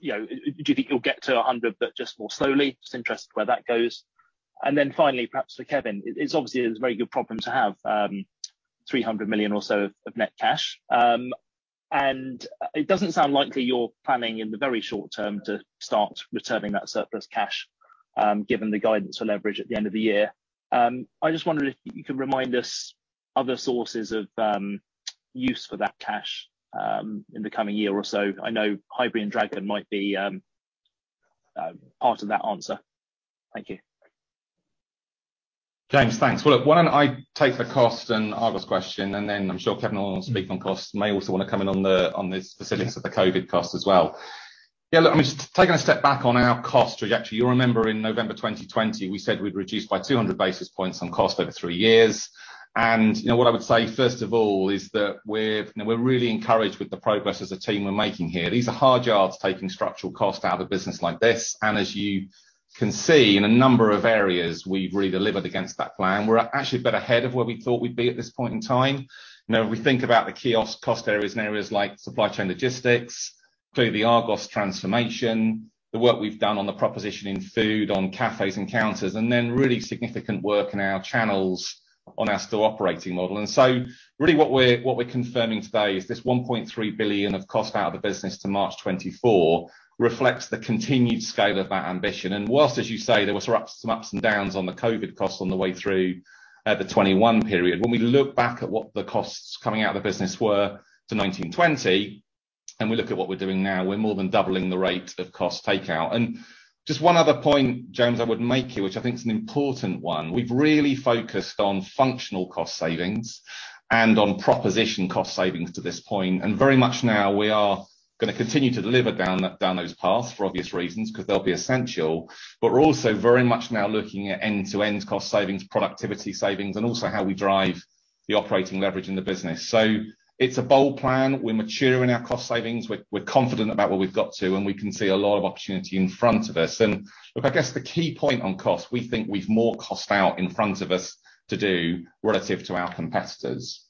you know, do you think you'll get to 100 but just more slowly? Just interested where that goes. Finally, perhaps for Kevin, it's obviously a very good problem to have, 300 million or so of net cash. It doesn't sound likely you're planning in the very short term to start returning that surplus cash, given the guidance for leverage at the end of the year. I just wondered if you could remind us other sources of use for that cash, in the coming year or so. I know Highbury and Dragon might be part of that answer. Thank you. James, thanks. Well, look, why don't I take the cost and Argos question, and then I'm sure Kevin will speak on cost, may also wanna come in on the specifics of the COVID cost as well. Yeah, look, I mean, just taking a step back on our cost trajectory. You'll remember in November 2020, we said we'd reduce by 200 basis points on cost over three years. You know, what I would say, first of all, is that we're, you know, we're really encouraged with the progress as a team we're making here. These are hard yards taking structural cost out of business like this. As you can see, in a number of areas, we've really delivered against that plan. We're actually a bit ahead of where we thought we'd be at this point in time. You know, if we think about the key cost areas and areas like supply chain logistics, including the Argos transformation, the work we've done on the proposition in food, on cafes and counters, and then really significant work in our channels on our store operating model. Really what we're confirming today is this 1.3 billion of cost out of the business to March 2024 reflects the continued scale of that ambition. While, as you say, there were some ups and downs on the COVID costs on the way through, the 2021 period, when we look back at what the costs coming out of the business were to 2019, 2020, and we look at what we're doing now, we're more than doubling the rate of cost takeout. Just one other point, James, I would make here, which I think is an important one. We've really focused on functional cost savings and on proposition cost savings to this point. Very much now we are gonna continue to deliver down those paths for obvious reasons, 'cause they'll be essential. We're also very much now looking at end-to-end cost savings, productivity savings, and also how we drive the operating leverage in the business. It's a bold plan. We're mature in our cost savings. We're confident about where we've got to, and we can see a lot of opportunity in front of us. Look, I guess the key point on cost, we think we've more cost out in front of us to do relative to our competitors.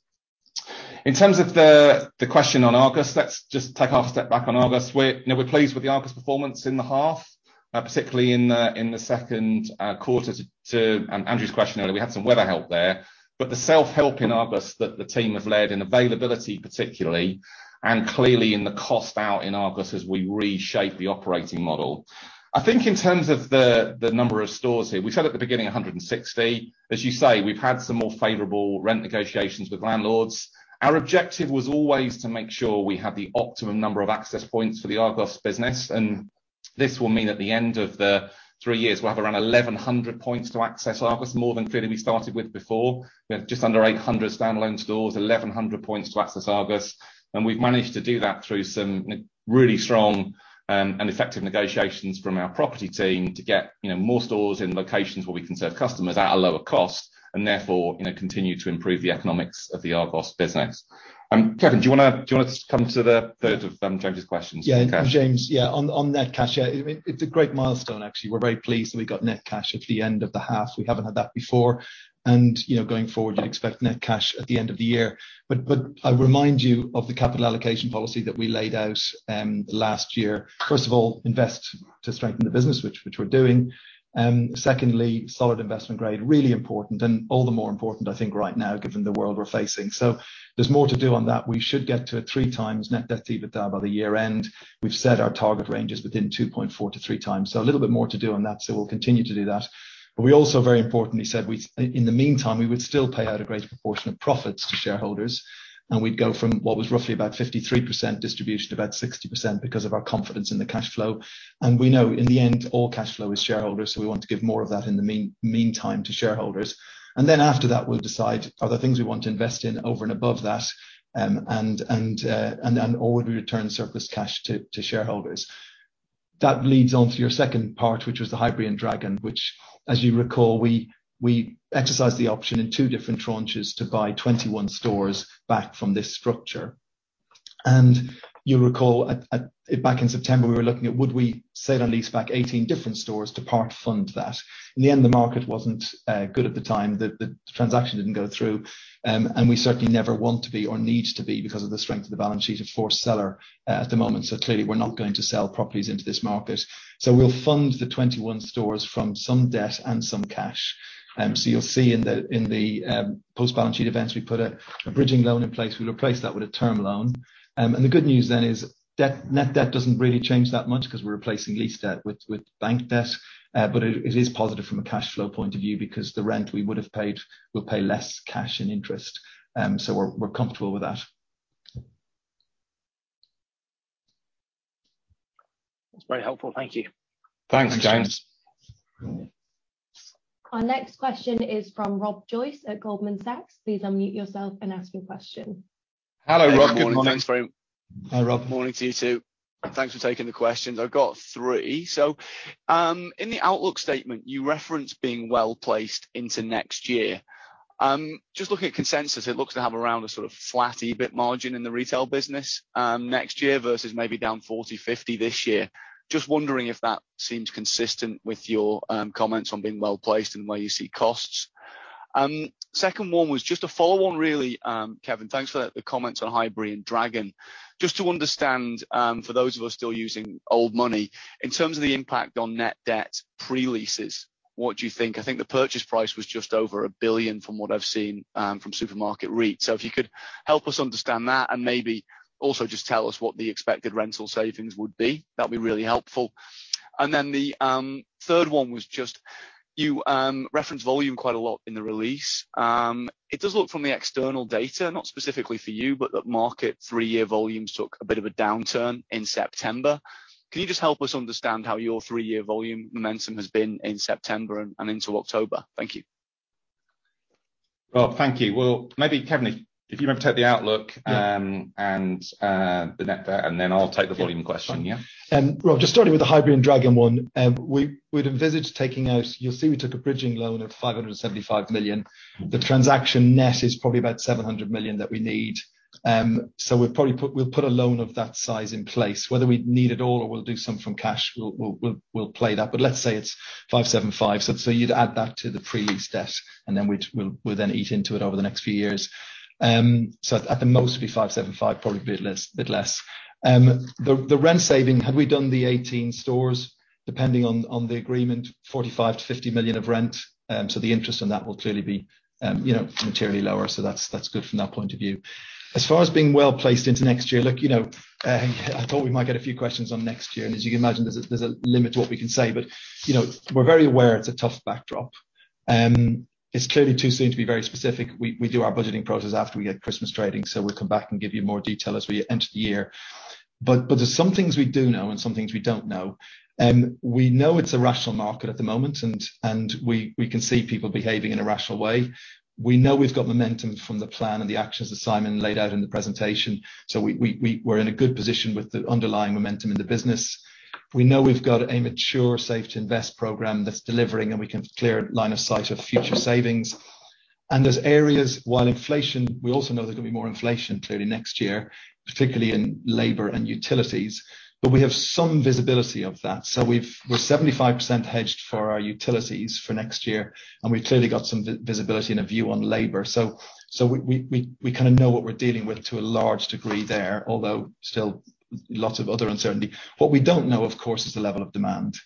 In terms of the question on Argos, let's just take a half step back on Argos. We're, you know, pleased with the Argos performance in the half, particularly in the second quarter too. Andrew's question earlier, we had some weather help there. The self-help in Argos that the team have led in availability particularly and clearly in the cost out in Argos as we reshape the operating model. I think in terms of the number of stores here, we said at the beginning, 160. As you say, we've had some more favorable rent negotiations with landlords. Our objective was always to make sure we have the optimum number of access points for the Argos business, and this will mean at the end of the three years, we'll have around 1,100 points to access Argos, more than clearly we started with before. We have just under 800 standalone stores, 1,100 points to access Argos. We've managed to do that through some, like, really strong and effective negotiations from our property team to get, you know, more stores in locations where we can serve customers at a lower cost and therefore, you know, continue to improve the economics of the Argos business. Kevin, do you wanna come to the third of James' questions? Yeah. James, yeah, on net cash, yeah. It's a great milestone actually. We're very pleased that we got net cash at the end of the half. We haven't had that before. You know, going forward, you'd expect net cash at the end of the year. I remind you of the capital allocation policy that we laid out last year. First of all, invest to strengthen the business, which we're doing. Secondly, solid investment grade, really important, and all the more important I think right now given the world we're facing. There's more to do on that. We should get to 3x net debt EBITDA by the year end. We've said our target range is within 2.4x-3x. A little bit more to do on that, so we'll continue to do that. We also very importantly said in the meantime, we would still pay out a great proportion of profits to shareholders, and we'd go from what was roughly about 53% distribution to about 60% because of our confidence in the cash flow. We know in the end, all cash flow is shareholders, so we want to give more of that in the meantime to shareholders. Then after that, we'll decide are there things we want to invest in over and above that, and/or would we return surplus cash to shareholders. That leads on to your second part, which was the Highbury and Dragon, which as you recall, we exercised the option in two different tranches to buy 21 stores back from this structure. You'll recall back in September, we were looking at would we sell and lease back 18 different stores to part fund that. In the end, the market wasn't good at the time. The transaction didn't go through, and we certainly never want to be or need to be because of the strength of the balance sheet for Sainsbury's at the moment. Clearly we're not going to sell properties into this market. We'll fund the 21 stores from some debt and some cash. You'll see in the post-balance sheet events, we put a bridging loan in place. We'll replace that with a term loan. The good news then is net debt doesn't really change that much 'cause we're replacing lease debt with bank debt. It is positive from a cash flow point of view because the rent we would've paid, we'll pay less cash and interest. We're comfortable with that. That's very helpful. Thank you. Thanks, James. Thanks. Our next question is from Rob Joyce at Goldman Sachs. Please unmute yourself and ask your question. Hello, Rob. Good morning. Thanks very much. Hi, Rob. Morning to you too. Thanks for taking the questions. I've got three. In the outlook statement, you referenced being well-placed into next year. Just looking at consensus, it looks to have around a sort of flat EBIT margin in the retail business next year versus maybe down 40-50 this year. Just wondering if that seems consistent with your comments on being well-placed and where you see costs. Second one was just a follow on, really, Kevin. Thanks for the comments on Highbury and Dragon. Just to understand, for those of us still using old money, in terms of the impact on net debt pre-leases, what do you think? I think the purchase price was just over 1 billion from what I've seen from Supermarket REIT. If you could help us understand that and maybe also just tell us what the expected rental savings would be, that'd be really helpful. Then the third one was just you referenced volume quite a lot in the release. It does look from the external data, not specifically for you, but that market three-year volumes took a bit of a downturn in September. Can you just help us understand how your three-year volume momentum has been in September and into October? Thank you. Rob, thank you. Well, maybe Kevin, if you want to take the outlook and the net there, and then I'll take the volume question, yeah? Rob, just starting with the Highbury and Dragon one. We'd envisaged taking out. You'll see we took a bridging loan of 575 million. The transaction net is probably about 700 million that we need. We'll probably put a loan of that size in place. Whether we need it all or we'll do some from cash, we'll play that. Let's say it's 575 million. You'd add that to the pre-lease debt, and then we'll eat into it over the next few years. At the most be 575 million, probably a bit less. The rent saving, had we done the 18 stores, depending on the agreement, 45 million-50 million of rent. The interest on that will clearly be, you know, materially lower. That's good from that point of view. As far as being well-placed into next year, look, you know, I thought we might get a few questions on next year, and as you can imagine, there's a limit to what we can say. You know, we're very aware it's a tough backdrop. It's clearly too soon to be very specific. We do our budgeting process after we get Christmas trading, so we'll come back and give you more detail as we enter the year. There's some things we do know and some things we don't know. We know it's a rational market at the moment, and we can see people behaving in a rational way. We know we've got momentum from the plan and the actions that Simon laid out in the presentation, so we're in a good position with the underlying momentum in the business. We know we've got a mature save to invest program that's delivering, and we can clear line of sight of future savings. There's areas where inflation, we also know there can be more inflation clearly next year, particularly in labor and utilities. We have some visibility of that. We're 75% hedged for our utilities for next year, and we've clearly got some visibility and a view on labor. We kinda know what we're dealing with to a large degree there, although still lots of other uncertainty. What we don't know, of course, is the level of demand,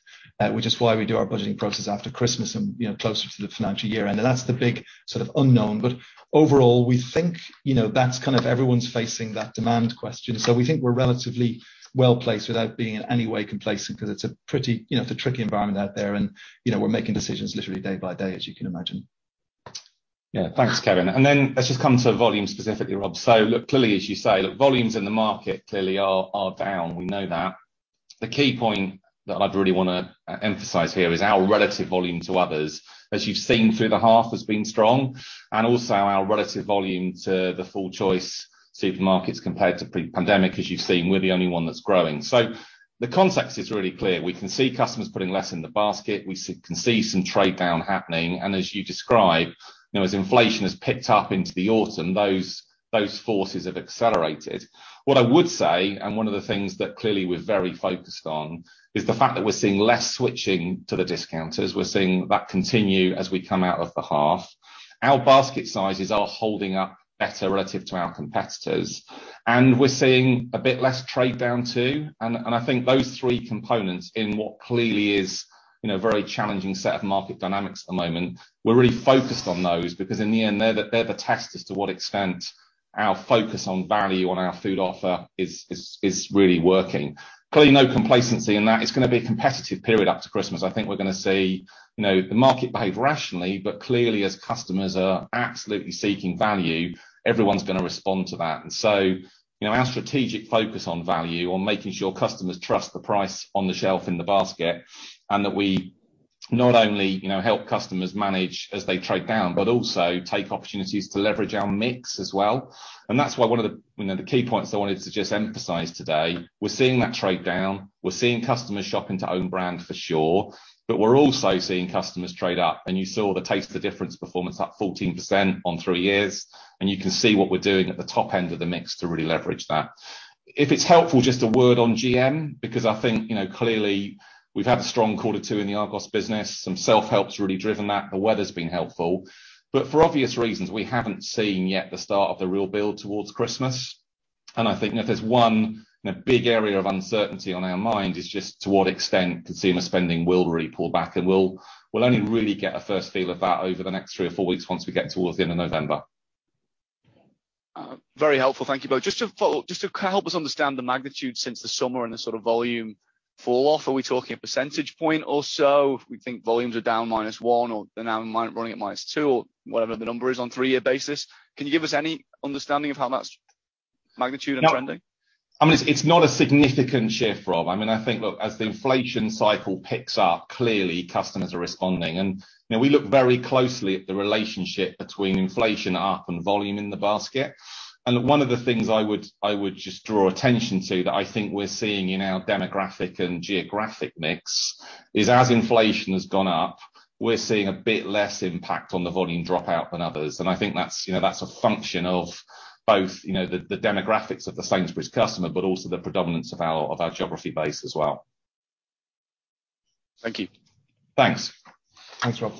which is why we do our budgeting process after Christmas and, you know, closer to the financial year. That's the big sort of unknown. Overall, we think, you know, that's kind of everyone's facing that demand question. We think we're relatively well-placed without being in any way complacent because it's a pretty, you know, it's a tricky environment out there and, you know, we're making decisions literally day by day, as you can imagine. Yeah. Thanks, Kevin. Let's just come to volume specifically, Rob. Look, clearly, as you say, volumes in the market clearly are down. We know that. The key point that I'd really wanna emphasize here is our relative volume to others, as you've seen through the half has been strong, and also our relative volume to the full choice supermarkets compared to pre-pandemic, as you've seen, we're the only one that's growing. The context is really clear. We can see customers putting less in the basket. We can see some trade down happening, and as you described, you know, as inflation has picked up into the autumn, those forces have accelerated. What I would say, and one of the things that clearly we're very focused on, is the fact that we're seeing less switching to the discounters. We're seeing that continue as we come out of the half. Our basket sizes are holding up better relative to our competitors. We're seeing a bit less trade down too, and I think those three components in what clearly is, you know, a very challenging set of market dynamics at the moment, we're really focused on those because in the end, they're the test as to what extent our focus on value on our food offer is really working. Clearly, no complacency in that. It's gonna be a competitive period up to Christmas. I think we're gonna see, you know, the market behave rationally, but clearly as customers are absolutely seeking value, everyone's gonna respond to that. You know, our strategic focus on value, on making sure customers trust the price on the shelf in the basket, and that not only, you know, help customers manage as they trade down, but also take opportunities to leverage our mix as well. That's why one of the, you know, the key points I wanted to just emphasize today, we're seeing that trade down. We're seeing customers shop into own brand for sure, but we're also seeing customers trade up, and you saw the Taste the Difference performance up 14% on three years, and you can see what we're doing at the top end of the mix to really leverage that. If it's helpful, just a word on GM, because I think, you know, clearly we've had a strong quarter two in the Argos business. Some self-help's really driven that. The weather's been helpful. For obvious reasons, we haven't seen yet the start of the real build towards Christmas, and I think if there's one big area of uncertainty on our mind is just to what extent consumer spending will really pull back, and we'll only really get a first feel of that over the next three or four weeks once we get towards the end of November. Very helpful. Thank you both. Just to follow up, just to help us understand the magnitude since the summer and the sort of volume fall-off. Are we talking a percentage point or so? We think volumes are down -1% or they're now running at -2% or whatever the number is on three-year basis. Can you give us any understanding of how much magnitude and trending? I mean, it's not a significant shift, Rob. I mean, I think, look, as the inflation cycle picks up, clearly customers are responding, and you know, we look very closely at the relationship between inflation up and volume in the basket. One of the things I would just draw attention to that I think we're seeing in our demographic and geographic mix is as inflation has gone up, we're seeing a bit less impact on the volume dropout than others. I think that's, you know, that's a function of both, you know, the demographics of the Sainsbury's customer, but also the predominance of our geography base as well. Thank you. Thanks. Thanks, Rob.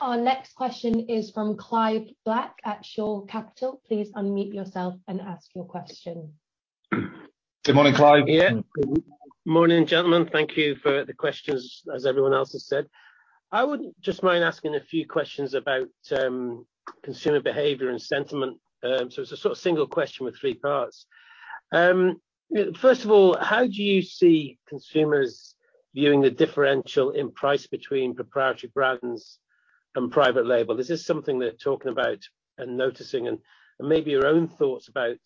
Our next question is from Clive Black at Shore Capital. Please unmute yourself and ask your question. Good morning, Clive. Yeah. Morning, gentlemen. Thank you for the questions, as everyone else has said. I wouldn't just mind asking a few questions about consumer behavior and sentiment. It's a sort of single question with three parts. First of all, how do you see consumers viewing the differential in price between proprietary brands and private label? This is something they're talking about and noticing and maybe your own thoughts about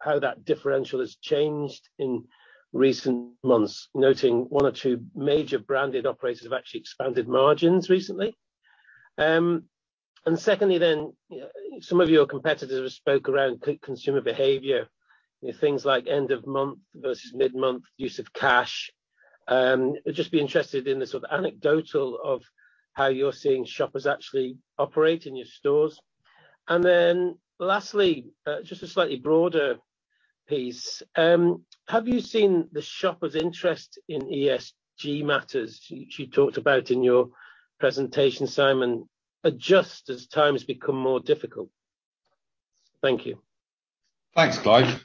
how that differential has changed in recent months, noting one or two major branded operators have actually expanded margins recently. Secondly then, some of your competitors have spoke around consumer behavior, you know, things like end of month versus mid-month use of cash. Just be interested in the sort of anecdotal of how you're seeing shoppers actually operate in your stores. Then lastly, just a slightly broader piece. Have you seen the shopper's interest in ESG matters, you talked about in your presentation, Simon, adjust as times become more difficult? Thank you. Thanks, Clive.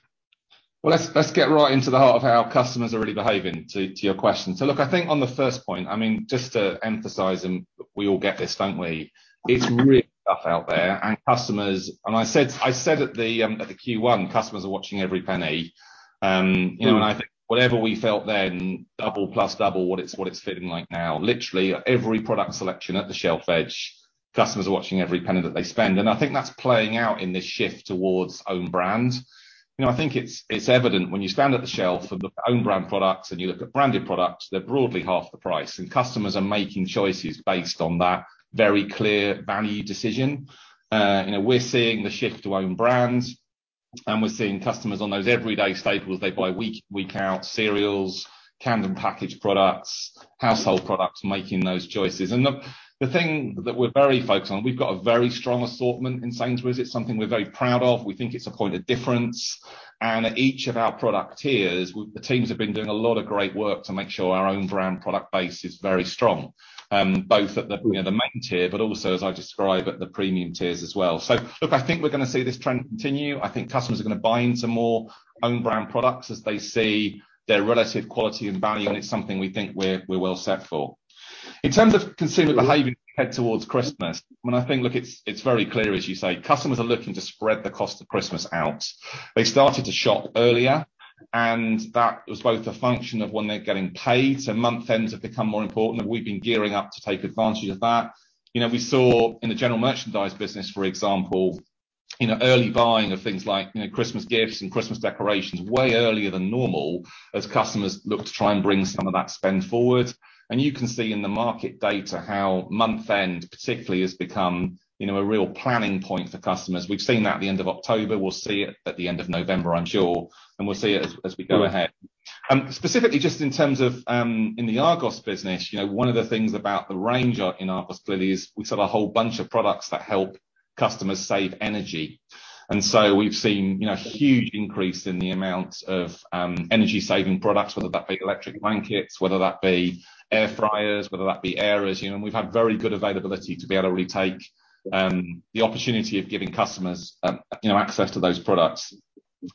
Well, let's get right into the heart of how our customers are really behaving to your question. Look, I think on the first point, I mean, just to emphasize, we all get this, don't we? It's really tough out there and customers are watching every penny. I said at the Q1, customers are watching every penny. You know, and I think whatever we felt then, double plus double what it's feeling like now. Literally every product selection at the shelf edge, customers are watching every penny that they spend. I think that's playing out in this shift towards own brand. You know, I think it's evident when you stand at the shelf of the own brand products and you look at branded products, they're broadly half the price and customers are making choices based on that very clear value decision. You know, we're seeing the shift to own brands and we're seeing customers on those everyday staples they buy week out, cereals, canned and packaged products, household products, making those choices. The thing that we're very focused on, we've got a very strong assortment in Sainsbury's. It's something we're very proud of. We think it's a point of difference. At each of our product tiers, the teams have been doing a lot of great work to make sure our own brand product base is very strong. Both at the, you know, the main tier, but also as I describe at the premium tiers as well. Look, I think we're gonna see this trend continue. I think customers are gonna buy into more own brand products as they see their relative quality and value, and it's something we think we're well set for. In terms of consumer behavior heading towards Christmas, when I think, look, it's very clear as you say, customers are looking to spread the cost of Christmas out. They started to shop earlier, and that was both a function of when they're getting paid, so month ends have become more important, and we've been gearing up to take advantage of that. You know, we saw in the general merchandise business, for example, you know, early buying of things like, you know, Christmas gifts and Christmas decorations way earlier than normal as customers look to try and bring some of that spend forward. You can see in the market data how month end particularly has become, you know, a real planning point for customers. We've seen that at the end of October. We'll see it at the end of November, I'm sure. We'll see it as we go ahead. Specifically just in terms of in the Argos business, you know, one of the things about the range in Argos clearly is we sell a whole bunch of products that help customers save energy. We've seen, you know, huge increase in the amount of, energy saving products, whether that be electric blankets, whether that be air fryers, whether that be airers, you know, and we've had very good availability to be able to really take, the opportunity of giving customers, you know, access to those products.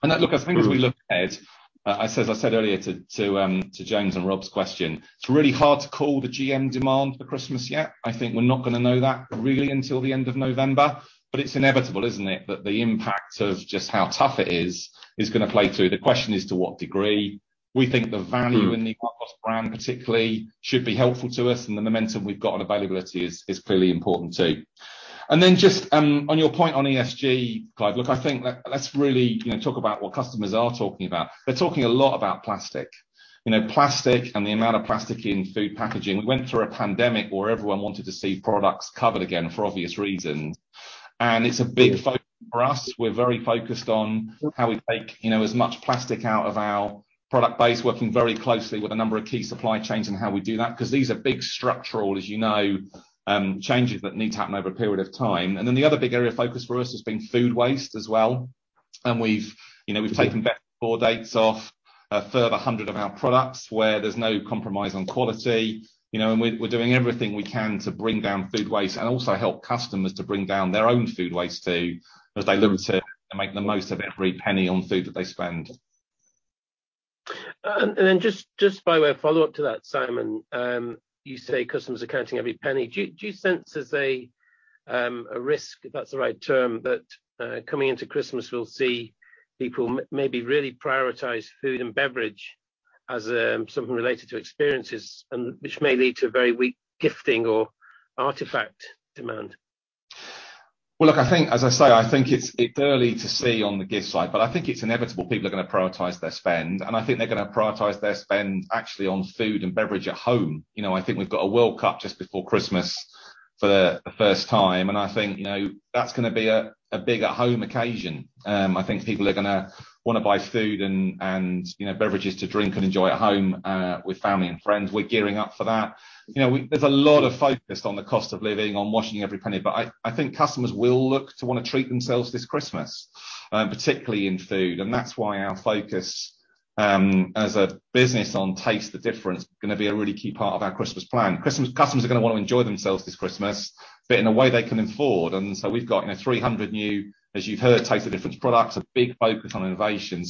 Look, I think as we look ahead, as I said earlier to James and Rob's question, it's really hard to call the GM demand for Christmas yet. I think we're not gonna know that really until the end of November, but it's inevitable, isn't it? That the impact of just how tough it is is gonna play through. The question is to what degree. We think the value in the Argos brand particularly should be helpful to us, and the momentum we've got on availability is clearly important too. Then just, on your point on ESG, Clive, look, I think that let's really, you know, talk about what customers are talking about. They're talking a lot about plastic. You know, plastic and the amount of plastic in food packaging. We went through a pandemic where everyone wanted to see products covered again for obvious reasons. It's a big focus for us. We're very focused on how we take, you know, as much plastic out of our product base, working very closely with a number of key supply chains in how we do that, 'cause these are big structural, as you know, changes that need to happen over a period of time. The other big area of focus for us has been food waste as well. We've, you know, taken best before dates off a further 100 of our products where there's no compromise on quality, you know. We're doing everything we can to bring down food waste and also help customers to bring down their own food waste too as they look to make the most of every penny on food that they spend. Just by way of follow-up to that, Simon, you say customers are counting every penny. Do you sense there's a risk, if that's the right term, that coming into Christmas we'll see people maybe really prioritize food and beverage as something related to experiences and which may lead to very weak gifting or artifact demand? Well, look, I think as I say, I think it's early to see on the gift side, but I think it's inevitable people are gonna prioritize their spend, and I think they're gonna prioritize their spend actually on food and beverage at home. You know, I think we've got a World Cup just before Christmas for the first time, and I think, you know, that's gonna be a big at home occasion. I think people are gonna wanna buy food and you know, beverages to drink and enjoy at home with family and friends. We're gearing up for that. You know, there's a lot of focus on the cost of living, on watching every penny, but I think customers will look to wanna treat themselves this Christmas, particularly in food. That's why our focus, as a business on Taste the Difference is gonna be a really key part of our Christmas plan. Christmas. Customers are gonna want to enjoy themselves this Christmas, but in a way they can afford. We've got, you know, 300 new, as you've heard, Taste the Difference products, a big focus on innovation.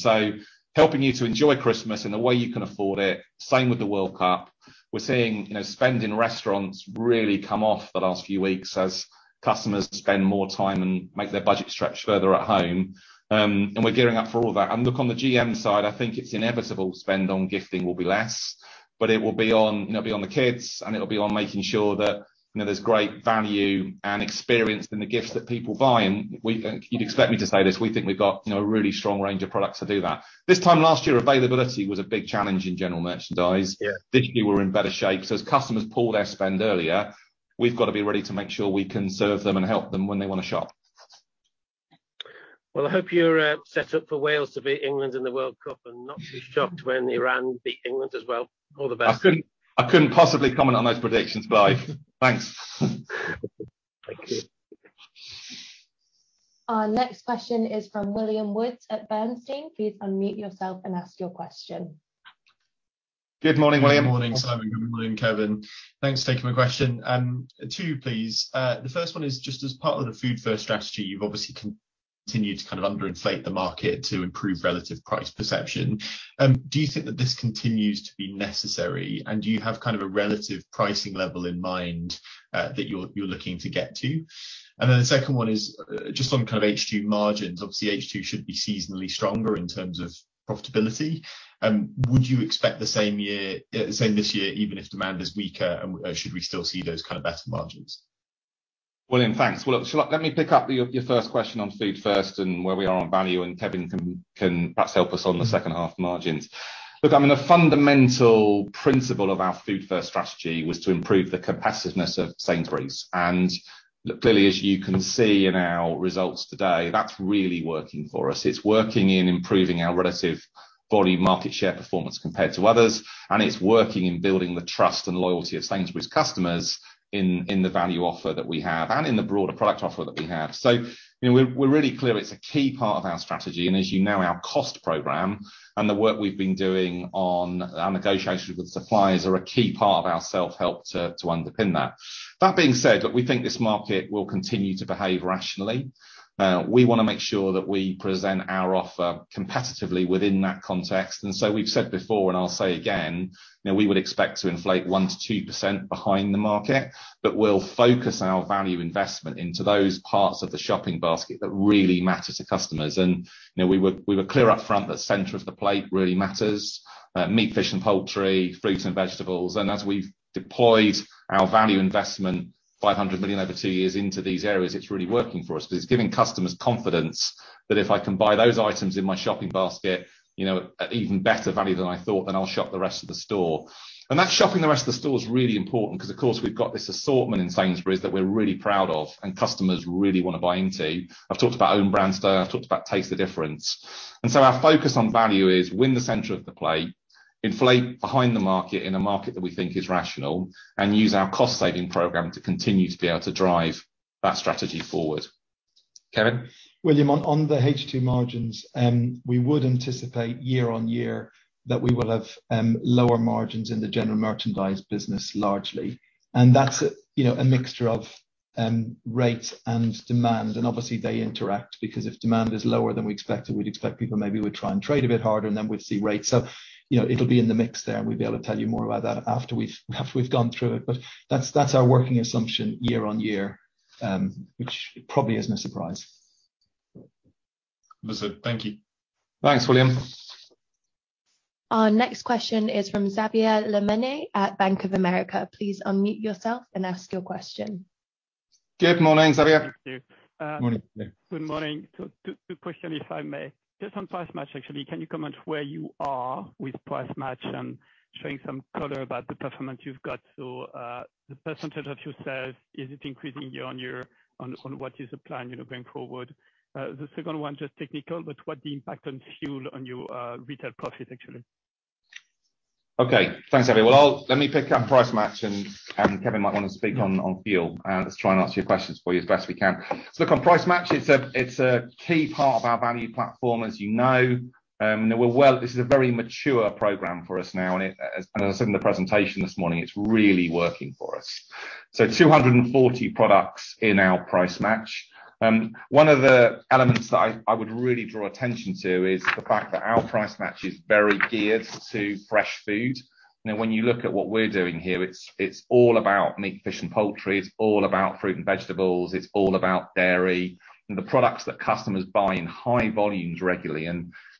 Helping you to enjoy Christmas in the way you can afford it. Same with the World Cup. We're seeing, you know, spend in restaurants really come off the last few weeks as customers spend more time and make their budget stretch further at home. We're gearing up for all that. Look, on the GM side, I think it's inevitable spend on gifting will be less, but it will be on, you know, the kids, and it'll be on making sure that, you know, there's great value and experience in the gifts that people buy. You'd expect me to say this, we think we've got, you know, a really strong range of products to do that. This time last year, availability was a big challenge in general merchandise. Yeah. This year we're in better shape. As customers pull their spend earlier, we've got to be ready to make sure we can serve them and help them when they wanna shop. Well, I hope you're set up for Wales to beat England in the World Cup and not be shocked when Iran beat England as well. All the best. I couldn't possibly comment on those predictions, Clive. Thanks. Thank you. Our next question is from William Woods at Bernstein. Please unmute yourself and ask your question. Good morning, William. Good morning, Simon. Good morning, Kevin. Thanks for taking my question. Two please. The first one is just as part of the food first strategy, you've obviously continued to kind of under inflate the market to improve relative price perception. Do you think that this continues to be necessary? And do you have kind of a relative pricing level in mind, that you're looking to get to? And then the second one is just on kind of H2 margins. Obviously, H2 should be seasonally stronger in terms of profitability. Would you expect the same this year even if demand is weaker, and should we still see those kind of better margins? William, thanks. Well, look, let me pick up your first question on food first and where we are on value, and Kevin can perhaps help us on the second half margins. Look, I mean, a fundamental principle of our food first strategy was to improve the competitiveness of Sainsbury's. Look, clearly, as you can see in our results today, that's really working for us. It's working in improving our relative volume market share performance compared to others, and it's working in building the trust and loyalty of Sainsbury's customers in the value offer that we have and in the broader product offer that we have. You know, we're really clear it's a key part of our strategy. As you know, our cost program and the work we've been doing on our negotiations with suppliers are a key part of our self-help to underpin that. That being said, look, we think this market will continue to behave rationally. We wanna make sure that we present our offer competitively within that context. We've said before, and I'll say again, you know, we would expect to inflate 1%-2% behind the market, but we'll focus our value investment into those parts of the shopping basket that really matter to customers. You know, we were clear up front that center of the plate really matters, meat, fish and poultry, fruits and vegetables. As we've deployed our value investment, 500 million over two years into these areas, it's really working for us 'cause it's giving customers confidence that if I can buy those items in my shopping basket, you know, at even better value than I thought, then I'll shop the rest of the store. That shopping the rest of the store is really important 'cause, of course, we've got this assortment in Sainsbury's that we're really proud of and customers really wanna buy into. I've talked about own brand stuff. I've talked about Taste the Difference. Our focus on value is win the center of the plate, inflate behind the market in a market that we think is rational, and use our cost saving program to continue to be able to drive that strategy forward. Kevin? William, on the H2 margins, we would anticipate year-on-year that we will have lower margins in the general merchandise business largely. That's, you know, a mixture of rate and demand, and obviously they interact because if demand is lower than we expected, we'd expect people maybe would try and trade a bit harder, and then we'd see rates. You know, it'll be in the mix there, and we'll be able to tell you more about that after we've gone through it. That's our working assumption year-on-year, which probably isn't a surprise. That's it. Thank you. Thanks, William. Our next question is from Xavier Le Mené at Bank of America. Please unmute yourself and ask your question. Good morning, Xavier. Morning. Good morning. Two questions, if I may. Just on Price Match, actually. Can you comment where you are with Price Match and showing some color about the performance you've got? The percentage that you said, is it increasing year-on-year? On what is the plan, you know, going forward? The second one, just technical, but what's the impact of fuel on your retail profit, actually. Okay. Thanks, Xavier. Let me pick up Price Match, and Kevin might wanna speak on fuel. Let's try and answer your questions for you as best we can. Look, on Price Match, it's a key part of our value platform, as you know. And we're well. This is a very mature program for us now, and it, as I said in the presentation this morning, it's really working for us. 240 products in our Price Match. One of the elements that I would really draw attention to is the fact that our Price Match is very geared to fresh food. Now, when you look at what we're doing here, it's all about meat, fish and poultry. It's all about fruit and vegetables. It's all about dairy and the products that customers buy in high volumes regularly.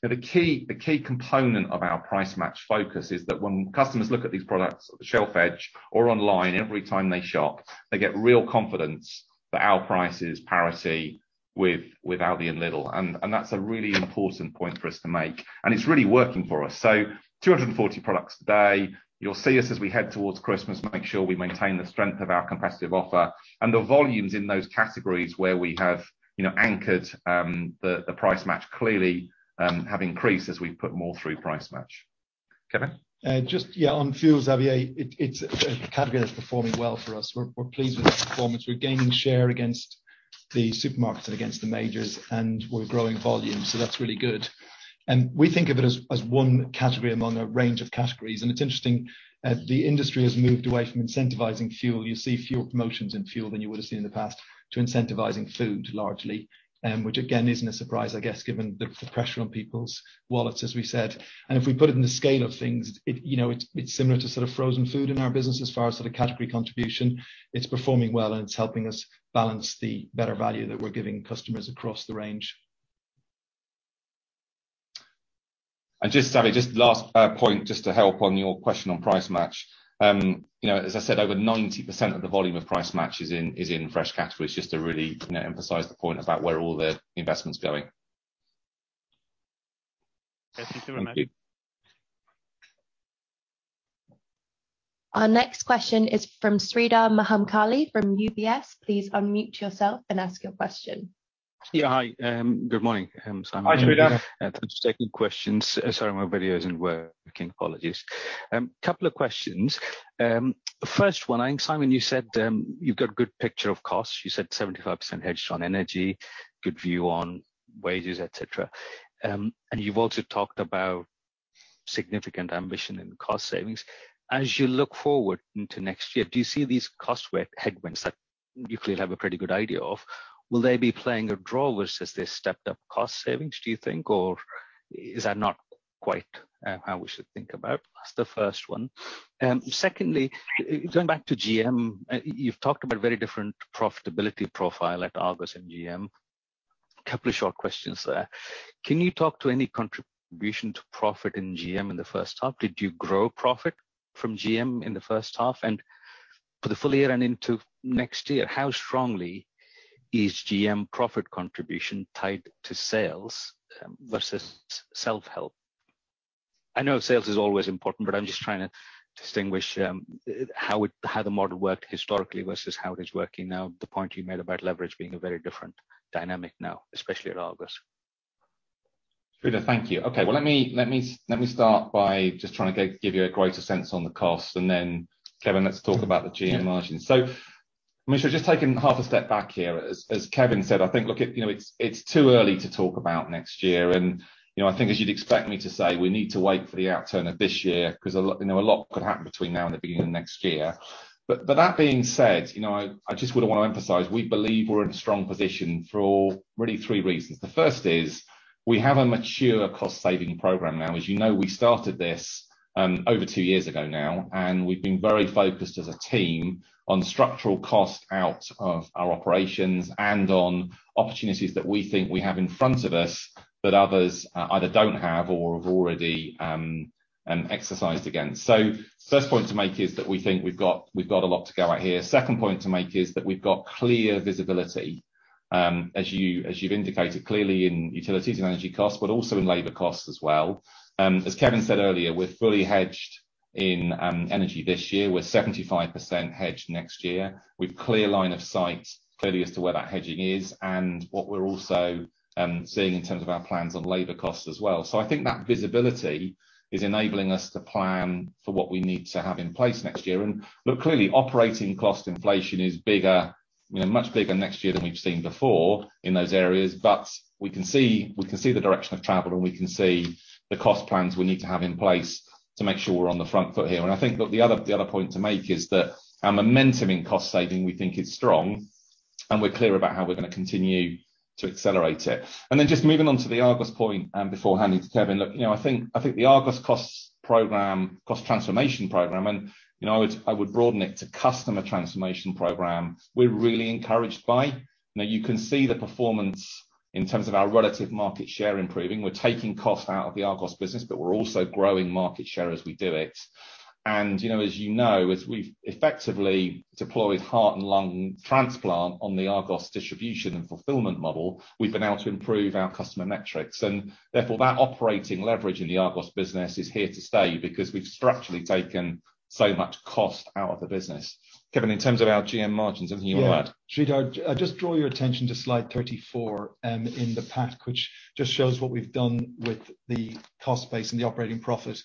The key component of our Price Match focus is that when customers look at these products at the shelf edge or online every time they shop, they get real confidence that our price is parity with Aldi and Lidl. That's a really important point for us to make. It's really working for us. 240 products today. You'll see us as we head towards Christmas, make sure we maintain the strength of our competitive offer and the volumes in those categories where we have, you know, anchored the Price Match clearly have increased as we put more through Price Match. Kevin. Just yeah. On fuels, Xavier. It's a category that's performing well for us. We're pleased with the performance. We're gaining share against the supermarkets and against the majors, and we're growing volume, so that's really good. We think of it as one category among a range of categories. It's interesting, the industry has moved away from incentivizing fuel. You see fewer promotions in fuel than you would have seen in the past to incentivizing food largely, which again, isn't a surprise, I guess, given the pressure on people's wallets, as we said. If we put it in the scale of things, you know, it's similar to sort of frozen food in our business as far as sort of category contribution. It's performing well, and it's helping us balance the better value that we're giving customers across the range. Just last point, just to help on your question on Price Match. You know, as I said, over 90% of the volume of Price Match is in fresh categories. Just to really, you know, emphasize the point about where all the investment's going. Okay. Thank you very much. Thank you. Our next question is from Sreedhar Mahamkali from UBS. Please unmute yourself and ask your question. Yeah. Hi, good morning. Simon. Hi, Sreedhar. Just two quick questions. Sorry, my video isn't working. Apologies. Couple of questions. First one, I think, Simon, you said, you've got good picture of costs. You said 75% hedged on energy, good view on wages, et cetera. And you've also talked about significant ambition in cost savings. As you look forward into next year, do you see these cost hedges that you clearly have a pretty good idea of, will they be playing a role versus the stepped up cost savings, do you think? Or is that not quite how we should think about? That's the first one. Secondly, going back to GM, you've talked about very different profitability profile at Argos and GM. Couple of short questions there. Can you talk to any contribution to profit in GM in the first half? Did you grow profit from GM in the first half? For the full year and into next year, how strongly is GM profit contribution tied to sales versus self-help? I know sales is always important, but I'm just trying to distinguish how the model worked historically versus how it is working now, the point you made about leverage being a very different dynamic now, especially at Argos. Sreedhar, thank you. Okay. Well, let me start by just trying to give you a greater sense on the cost. Kevin, let's talk about the GM margins. I mean, just taking half a step back here. As Kevin said, I think, look, you know, it's too early to talk about next year. You know, I think as you'd expect me to say, we need to wait for the outturn of this year 'cause a lot, you know, could happen between now and the beginning of next year. That being said, you know, I just would want to emphasize we believe we're in a strong position overall, really, for three reasons. The first is we have a mature cost saving program now. As you know, we started this over two years ago now, and we've been very focused as a team on structural cost out of our operations and on opportunities that we think we have in front of us that others either don't have or have already exercised against. First point to make is that we think we've got a lot to go at here. Second point to make is that we've got clear visibility as you've indicated clearly in utilities and energy costs, but also in labor costs as well. As Kevin said earlier, we're fully hedged in energy this year. We're 75% hedged next year. We've clear line of sight clearly as to where that hedging is and what we're also seeing in terms of our plans on labor costs as well. I think that visibility is enabling us to plan for what we need to have in place next year. Look, clearly, operating cost inflation is bigger, you know, much bigger next year than we've seen before in those areas. We can see the direction of travel, and we can see the cost plans we need to have in place to make sure we're on the front foot here. I think, look, the other point to make is that our momentum in cost saving, we think it's strong, and we're clear about how we're gonna continue to accelerate it. Then just moving on to the Argos point, before handing to Kevin. Look, you know, I think the Argos costs program, cost transformation program, and, you know, I would broaden it to customer transformation program. Now you can see the performance in terms of our relative market share improving. We're taking cost out of the Argos business, but we're also growing market share as we do it. You know, as you know, as we've effectively deployed heart and lung transplant on the Argos distribution and fulfillment model, we've been able to improve our customer metrics. Therefore, that operating leverage in the Argos business is here to stay because we've structurally taken so much cost out of the business. Kevin, in terms of our GM margins, anything you want to add? Yeah. Sreedhar, just draw your attention to slide 34 in the pack, which just shows what we've done with the cost base and the operating profit.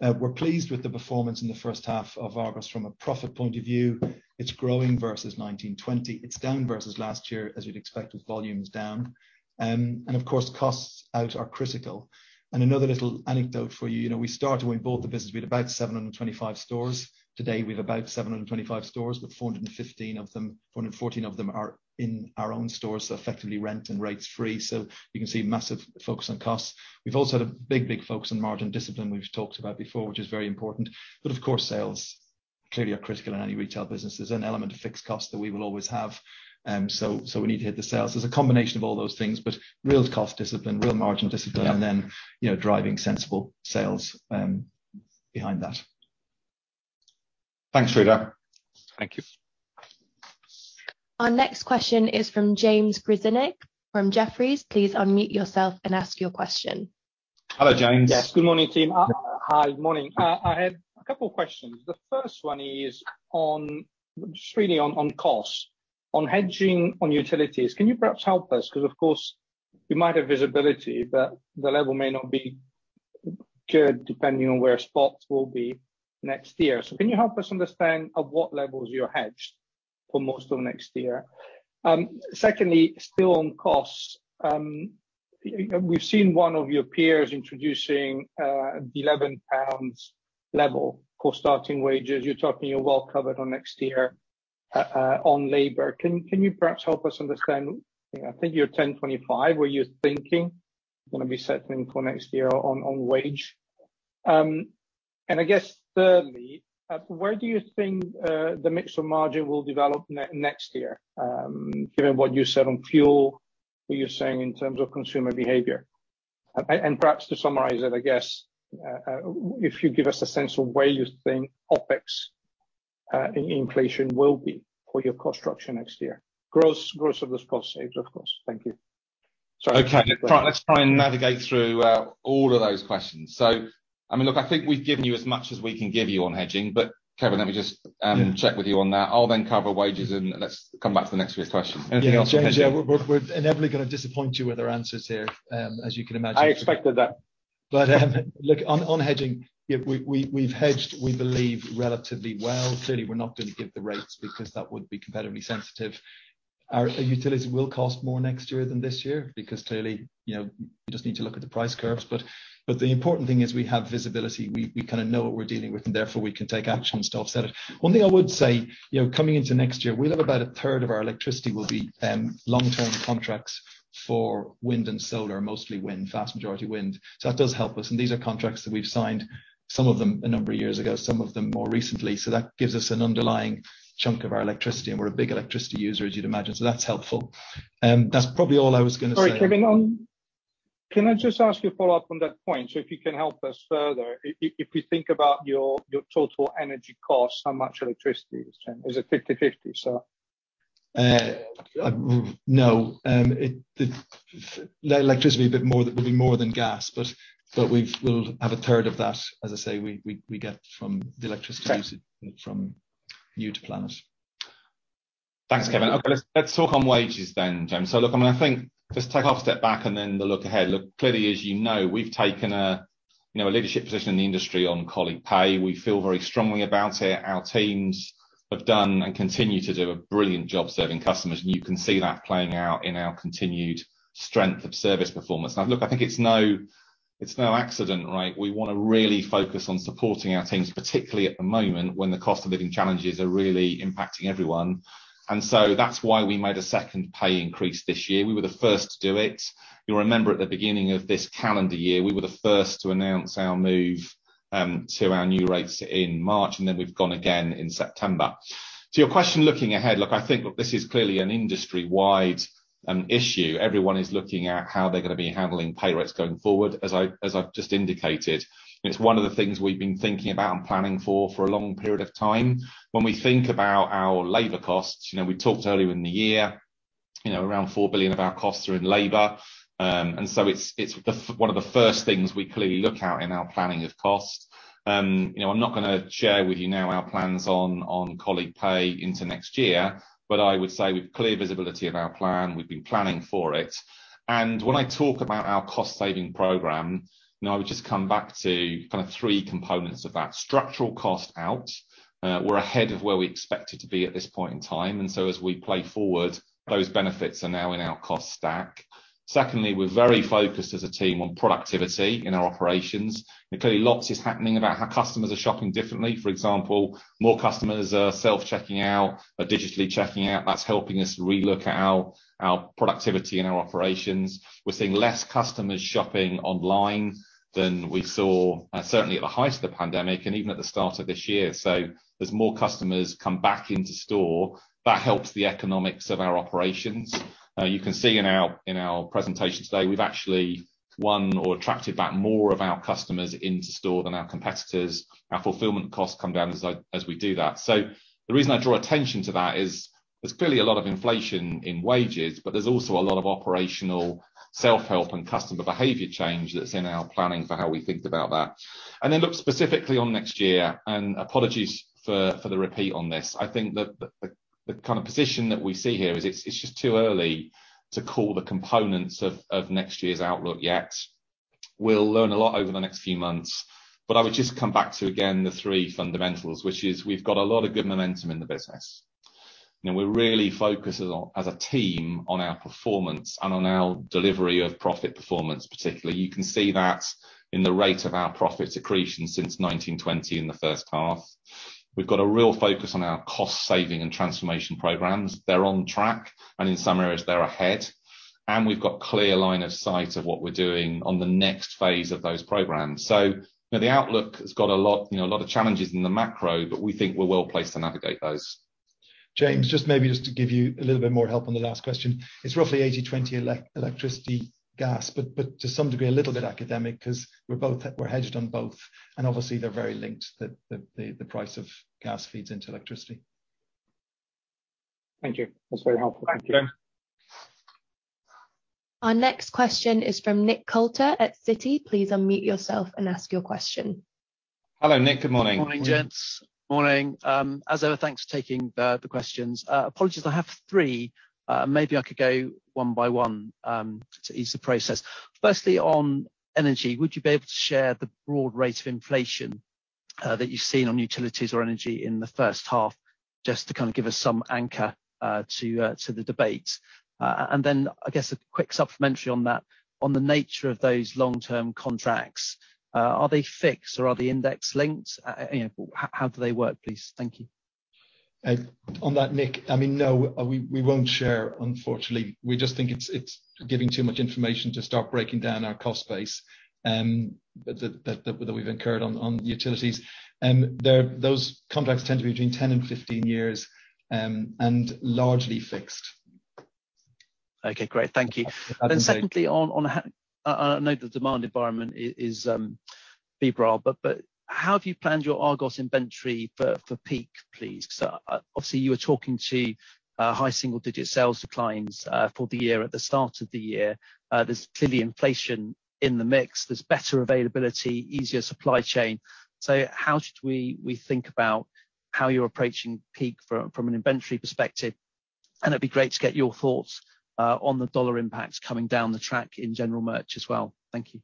We're pleased with the performance in the first half of Argos from a profit point of view. It's growing versus 19/20. It's down versus last year, as you'd expect, with volumes down. Of course, costs out are critical. Another little anecdote for you know, we started when we bought the business, we had about 725 stores. Today, we've about 725 stores, with 414 of them are in our own stores, effectively rent and rates free. You can see massive focus on costs. We've also had a big, big focus on margin discipline we've talked about before, which is very important. Of course, sales clearly are critical in any retail business. There's an element of fixed costs that we will always have, so we need to hit the sales. There's a combination of all those things, real cost discipline, real margin discipline. Yeah. You know, driving sensible sales behind that. Thanks, Sreedhar. Thank you. Our next question is from James Grzinic from Jefferies. Please unmute yourself and ask your question. Hello, James. Good morning, team. Hi. Morning. I had a couple questions. The first one is on costs, on hedging on utilities. Can you perhaps help us? Because of course you might have visibility, but the level may not be good depending on where spots will be next year. Can you help us understand at what levels you're hedged for most of next year? Secondly, still on costs, we've seen one of your peers introducing the 11 pounds level for starting wages. You're well covered on next year on labor. Can you perhaps help us understand, you know, I think you're 10.25, where you're thinking gonna be settling for next year on wage? I guess, thirdly, where do you think the mix of margin will develop next year, given what you said on fuel, what you're saying in terms of consumer behavior? Perhaps to summarize it, I guess, if you give us a sense of where you think OpEx and inflation will be for your cost structure next year. Gross of those cost saves, of course. Thank you. Okay. Let's try and navigate through all of those questions. I mean, look, I think we've given you as much as we can give you on hedging. Kevin, let me just check with you on that. I'll then cover wages and let's come back to the next week's question. Anything else on hedging? Yeah, James. Yeah, we're inevitably gonna disappoint you with our answers here, as you can imagine. I expected that. Look on hedging, yeah, we've hedged, we believe relatively well. Clearly, we're not gonna give the rates because that would be competitively sensitive. Our utilities will cost more next year than this year because clearly, you know, you just need to look at the price curves. The important thing is we have visibility. We kinda know what we're dealing with, and therefore we can take action to offset it. One thing I would say, you know, coming into next year, well, about a third of our electricity will be long-term contracts for wind and solar, mostly wind, vast majority wind. That does help us, and these are contracts that we've signed, some of them a number of years ago, some of them more recently, so that gives us an underlying chunk of our electricity, and we're a big electricity user, as you'd imagine. That's helpful. That's probably all I was gonna say. Sorry, Kevin. Can I just ask you a follow-up on that point? If you can help us further. If we think about your total energy costs, how much electricity is changed? Is it 50/50, sir? No. The electricity a bit more will be more than gas, but we'll have a third of that, as I say, we get from the electricity. Okay. From new to planet. Thanks, Kevin. Okay, let's talk on wages then, James. Look, I mean, I think just take a half step back and then the look ahead. Look, clearly, as you know, we've taken a, you know, a leadership position in the industry on colleague pay. We feel very strongly about it. Our teams have done and continue to do a brilliant job serving customers, and you can see that playing out in our continued strength of service performance. Now, look, I think it's no accident, right? We wanna really focus on supporting our teams, particularly at the moment when the cost of living challenges are really impacting everyone. That's why we made a second pay increase this year. We were the first to do it. You'll remember at the beginning of this calendar year, we were the first to announce our move to our new rates in March, and then we've gone again in September. To your question looking ahead, look, I think this is clearly an industry-wide issue. Everyone is looking at how they're gonna be handling pay rates going forward. As I've just indicated, it's one of the things we've been thinking about and planning for a long period of time. When we think about our labor costs, you know, we talked earlier in the year, you know, around 4 billion of our costs are in labor. It's one of the first things we clearly look at in our planning of costs. You know, I'm not gonna share with you now our plans on colleague pay into next year, but I would say with clear visibility of our plan, we've been planning for it. When I talk about our cost-saving program, now I would just come back to kinda three components of that. Structural cost out, we're ahead of where we expected to be at this point in time, and so as we plan forward, those benefits are now in our cost stack. Secondly, we're very focused as a team on productivity in our operations. Clearly lots is happening about how customers are shopping differently. For example, more customers are self-checking out, are digitally checking out. That's helping us relook at our productivity and our operations. We're seeing less customers shopping online than we saw, certainly at the height of the pandemic and even at the start of this year. As more customers come back into store, that helps the economics of our operations. You can see in our presentation today, we've actually won or attracted back more of our customers into store than our competitors. Our fulfillment costs come down as we do that. The reason I draw attention to that is there's clearly a lot of inflation in wages, but there's also a lot of operational self-help and customer behavior change that's in our planning for how we think about that. Look specifically on next year, and apologies for the repeat on this. I think the kind of position that we see here is it's just too early to call the components of next year's outlook yet. We'll learn a lot over the next few months. I would just come back to again the three fundamentals, which is we've got a lot of good momentum in the business. Now we're really focused as a team on our performance and on our delivery of profit performance particularly. You can see that in the rate of our profit accretion since 2019/2020 in the first half. We've got a real focus on our cost saving and transformation programs. They're on track, and in some areas they're ahead, and we've got clear line of sight of what we're doing on the next phase of those programs. You know, the outlook has got a lot, you know, a lot of challenges in the macro, but we think we're well placed to navigate those. James, just maybe to give you a little bit more help on the last question. It's roughly 80/20 electricity, gas, but to some degree a little bit academic 'cause we're hedged on both, and obviously they're very linked. The price of gas feeds into electricity. Thank you. That's very helpful. Thank you. Thank you. Our next question is from Nick Coulter at Citi. Please unmute yourself and ask your question. Hello, Nick. Good morning. Morning, gents. Morning. As ever, thanks for taking the questions. Apologies, I have three. Maybe I could go one by one to ease the process. Firstly, on energy, would you be able to share the broad rate of inflation that you've seen on utilities or energy in the first half, just to kind of give us some anchor to the debate. I guess a quick supplementary on that, on the nature of those long-term contracts, are they fixed or are they index linked? You know, how do they work, please? Thank you. On that, Nick, I mean, no, we won't share, unfortunately. We just think it's giving too much information to start breaking down our cost base that we've incurred on the utilities. Those contracts tend to be between 10 and 15 years and largely fixed. Okay, great. Thank you. Absolutely. Secondly, on how I know the demand environment is febrile, but how have you planned your Argos inventory for peak, please? Obviously you were talking to high single digit sales declines for the year at the start of the year. There's clearly inflation in the mix, there's better availability, easier supply chain. How should we think about how you're approaching peak from an inventory perspective? It'd be great to get your thoughts on the dollar impact coming down the track in general merch as well. Thank you.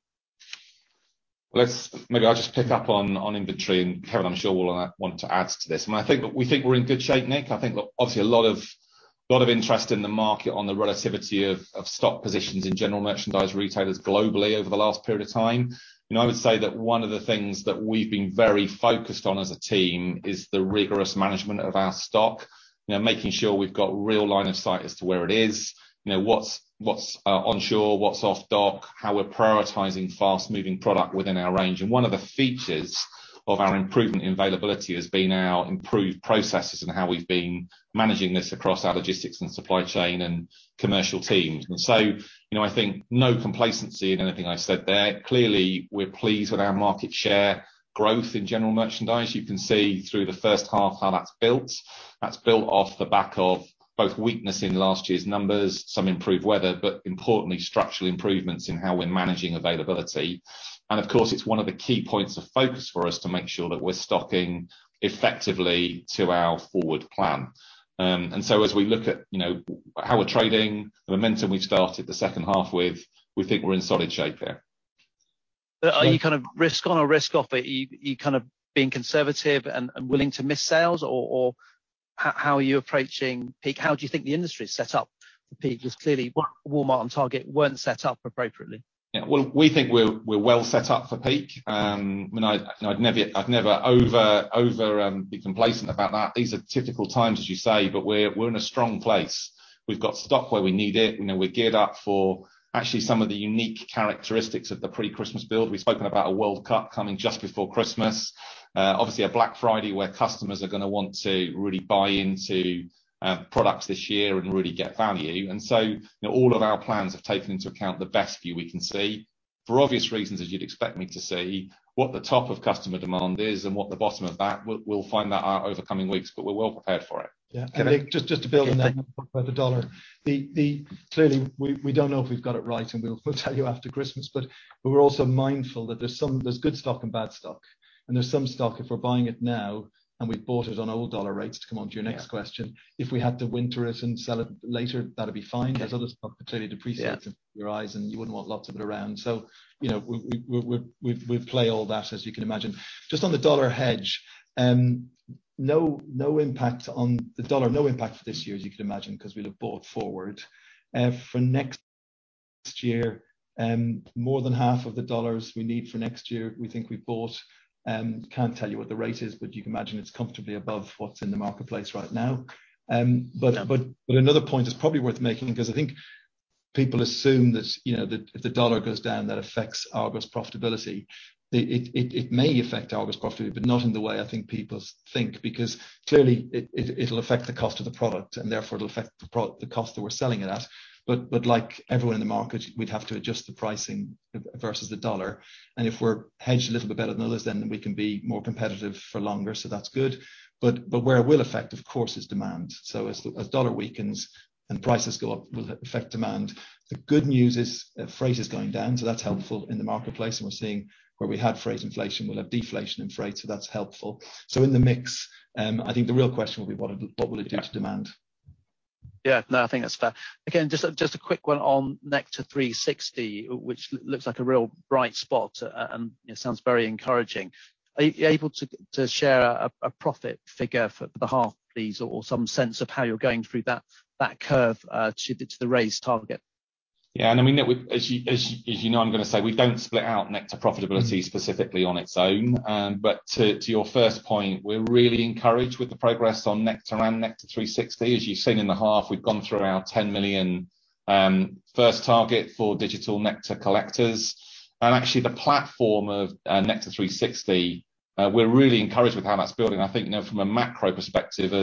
Maybe I'll just pick up on inventory, and Kevin I'm sure will want to add to this. I think we think we're in good shape, Nick. I think obviously a lot of interest in the market on the relativity of stock positions in general merchandise retailers globally over the last period of time. You know, I would say that one of the things that we've been very focused on as a team is the rigorous management of our stock. You know, making sure we've got real line of sight as to where it is, you know, what's onshore, what's off dock, how we're prioritizing fast moving product within our range. One of the features of our improvement in availability has been our improved processes and how we've been managing this across our logistics and supply chain and commercial teams. You know, I think no complacency in anything I said there. Clearly, we're pleased with our market share growth in general merchandise. You can see through the first half how that's built. That's built off the back of both weakness in last year's numbers, some improved weather, but importantly structural improvements in how we're managing availability. Of course, it's one of the key points of focus for us to make sure that we're stocking effectively to our forward plan. As we look at, you know, how we're trading, the momentum we've started the second half with, we think we're in solid shape here. Are you kind of risk on or risk off? Are you kind of being conservative and willing to miss sales? Or how are you approaching peak? How do you think the industry is set up for peak? 'Cause clearly Walmart and Target weren't set up appropriately. Yeah. Well, we think we're well set up for peak. I mean, I'd never be complacent about that. These are difficult times, as you say, but we're in a strong place. We've got stock where we need it. You know, we're geared up for actually some of the unique characteristics of the pre-Christmas build. We've spoken about a World Cup coming just before Christmas. Obviously a Black Friday where customers are gonna want to really buy into products this year and really get value. You know, all of our plans have taken into account the best view we can see. For obvious reasons, as you'd expect me to say, what the top of customer demand is and what the bottom of that, we'll find that out over coming weeks, but we're well prepared for it. Yeah. Just to build on that about the dollar. Clearly, we don't know if we've got it right, and we'll tell you after Christmas, but we're also mindful that there's good stock and bad stock. There's some stock, if we're buying it now, and we've bought it on old dollar rates to come onto your next question, if we had to winter it and sell it later, that'd be fine. There's other stock that clearly depreciates in your eyes and you wouldn't want lots of it around. You know, we'd play all that as you can imagine. Just on the dollar hedge, no impact on the dollar, no impact for this year, as you can imagine, 'cause we've locked bought forward. For next year, more than half of the dollars we need for next year we think we've bought. Can't tell you what the rate is, but you can imagine it's comfortably above what's in the marketplace right now. Another point that's probably worth making, 'cause I think people assume that, you know, that if the dollar goes down, that affects Argos' profitability. It may affect Argos' profitability, but not in the way I think people think, because clearly it'll affect the cost of the product and therefore it'll affect the cost that we're selling it at. Like everyone in the market, we'd have to adjust the pricing versus the dollar. If we're hedged a little bit better than others, then we can be more competitive for longer, so that's good. Where it will affect, of course, is demand. As dollar weakens and prices go up, will affect demand. The good news is freight is going down, so that's helpful in the marketplace, and we're seeing where we had freight inflation, we'll have deflation in freight, so that's helpful. In the mix, I think the real question will be what will it do to demand? Yeah. No, I think that's fair. Again, just a quick one on Nectar360, which looks like a real bright spot and it sounds very encouraging. Are you able to share a profit figure for the half, please, or some sense of how you're going through that curve to the race target? Yeah. I mean, as you know I'm gonna say, we don't split out Nectar profitability specifically on its own. But to your first point, we're really encouraged with the progress on Nectar and Nectar360. As you've seen in the half, we've gone through our 10 million first target for digital Nectar collectors. Actually the platform of Nectar360, we're really encouraged with how that's building. I think, you know, from a macro perspective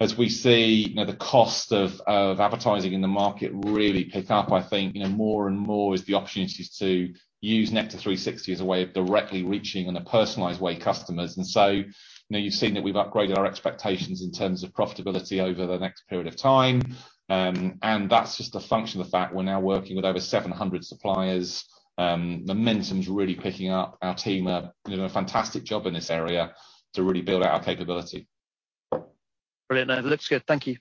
as we see, you know, the cost of advertising in the market really pick up. I think, you know, more and more is the opportunity to use Nectar360 as a way of directly reaching in a personalized way customers. You know, you've seen that we've upgraded our expectations in terms of profitability over the next period of time, and that's just a function of the fact we're now working with over 700 suppliers. Momentum's really picking up. Our team are doing a fantastic job in this area to really build out our capability. Brilliant. No, it looks good. Thank you.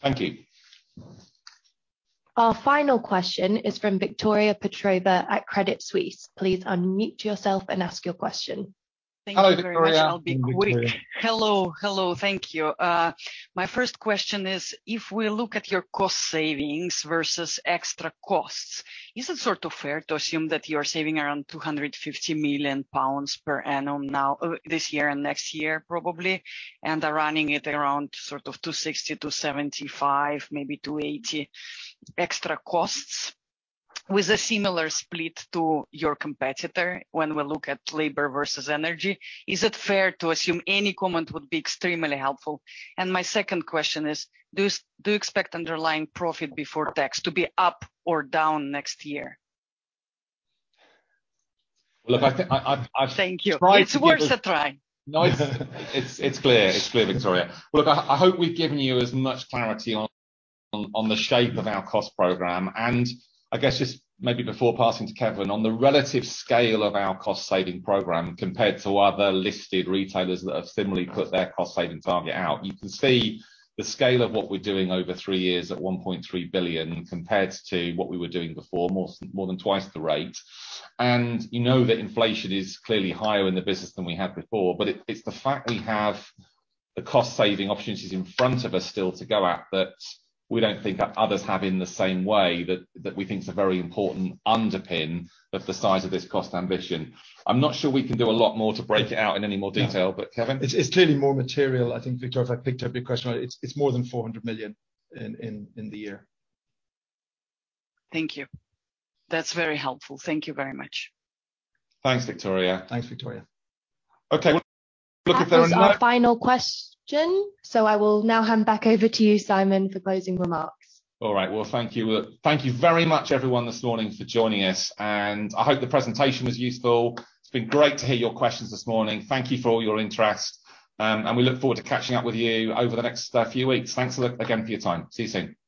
Thank you. Our final question is from Victoria Petrova at Credit Suisse. Please unmute yourself and ask your question. Hi, Victoria. Thank you very much. I'll be quick. Hello. Thank you. My first question is, if we look at your cost savings versus extra costs, is it sort of fair to assume that you're saving around 250 million pounds per annum now, this year and next year probably, and are running at around sort of 260 million-275 million, maybe 280 million extra costs with a similar split to your competitor when we look at labor versus energy? Is it fair to assume? Any comment would be extremely helpful. My second question is, do you expect underlying profit before tax to be up or down next year? Well, look, I think, I've tried to. Thank you, It's worth a try. No, it's clear. It's clear, Victoria. Look, I hope we've given you as much clarity on the shape of our cost program. I guess just maybe before passing to Kevin, on the relative scale of our cost saving program compared to other listed retailers that have similarly put their cost saving target out, you can see the scale of what we're doing over three years at 1.3 billion compared to what we were doing before, more than twice the rate. You know that inflation is clearly higher in the business than we had before, but it's the fact we have the cost saving opportunities in front of us still to go at that we don't think that others have in the same way that we think is a very important underpin of the size of this cost ambition. I'm not sure we can do a lot more to break it out in any more detail. Yeah. Kevin? It's clearly more material, I think, Victoria, if I picked up your question right. It's more than 400 million in the year. Thank you. That's very helpful. Thank you very much. Thanks, Victoria. Thanks, Victoria. Okay. Well, look, if there are no. That was our final question, so I will now hand back over to you, Simon, for closing remarks. All right. Well, thank you. Well, thank you very much everyone this morning for joining us, and I hope the presentation was useful. It's been great to hear your questions this morning. Thank you for all your interest, and we look forward to catching up with you over the next few weeks. Thanks again for your time. See you soon.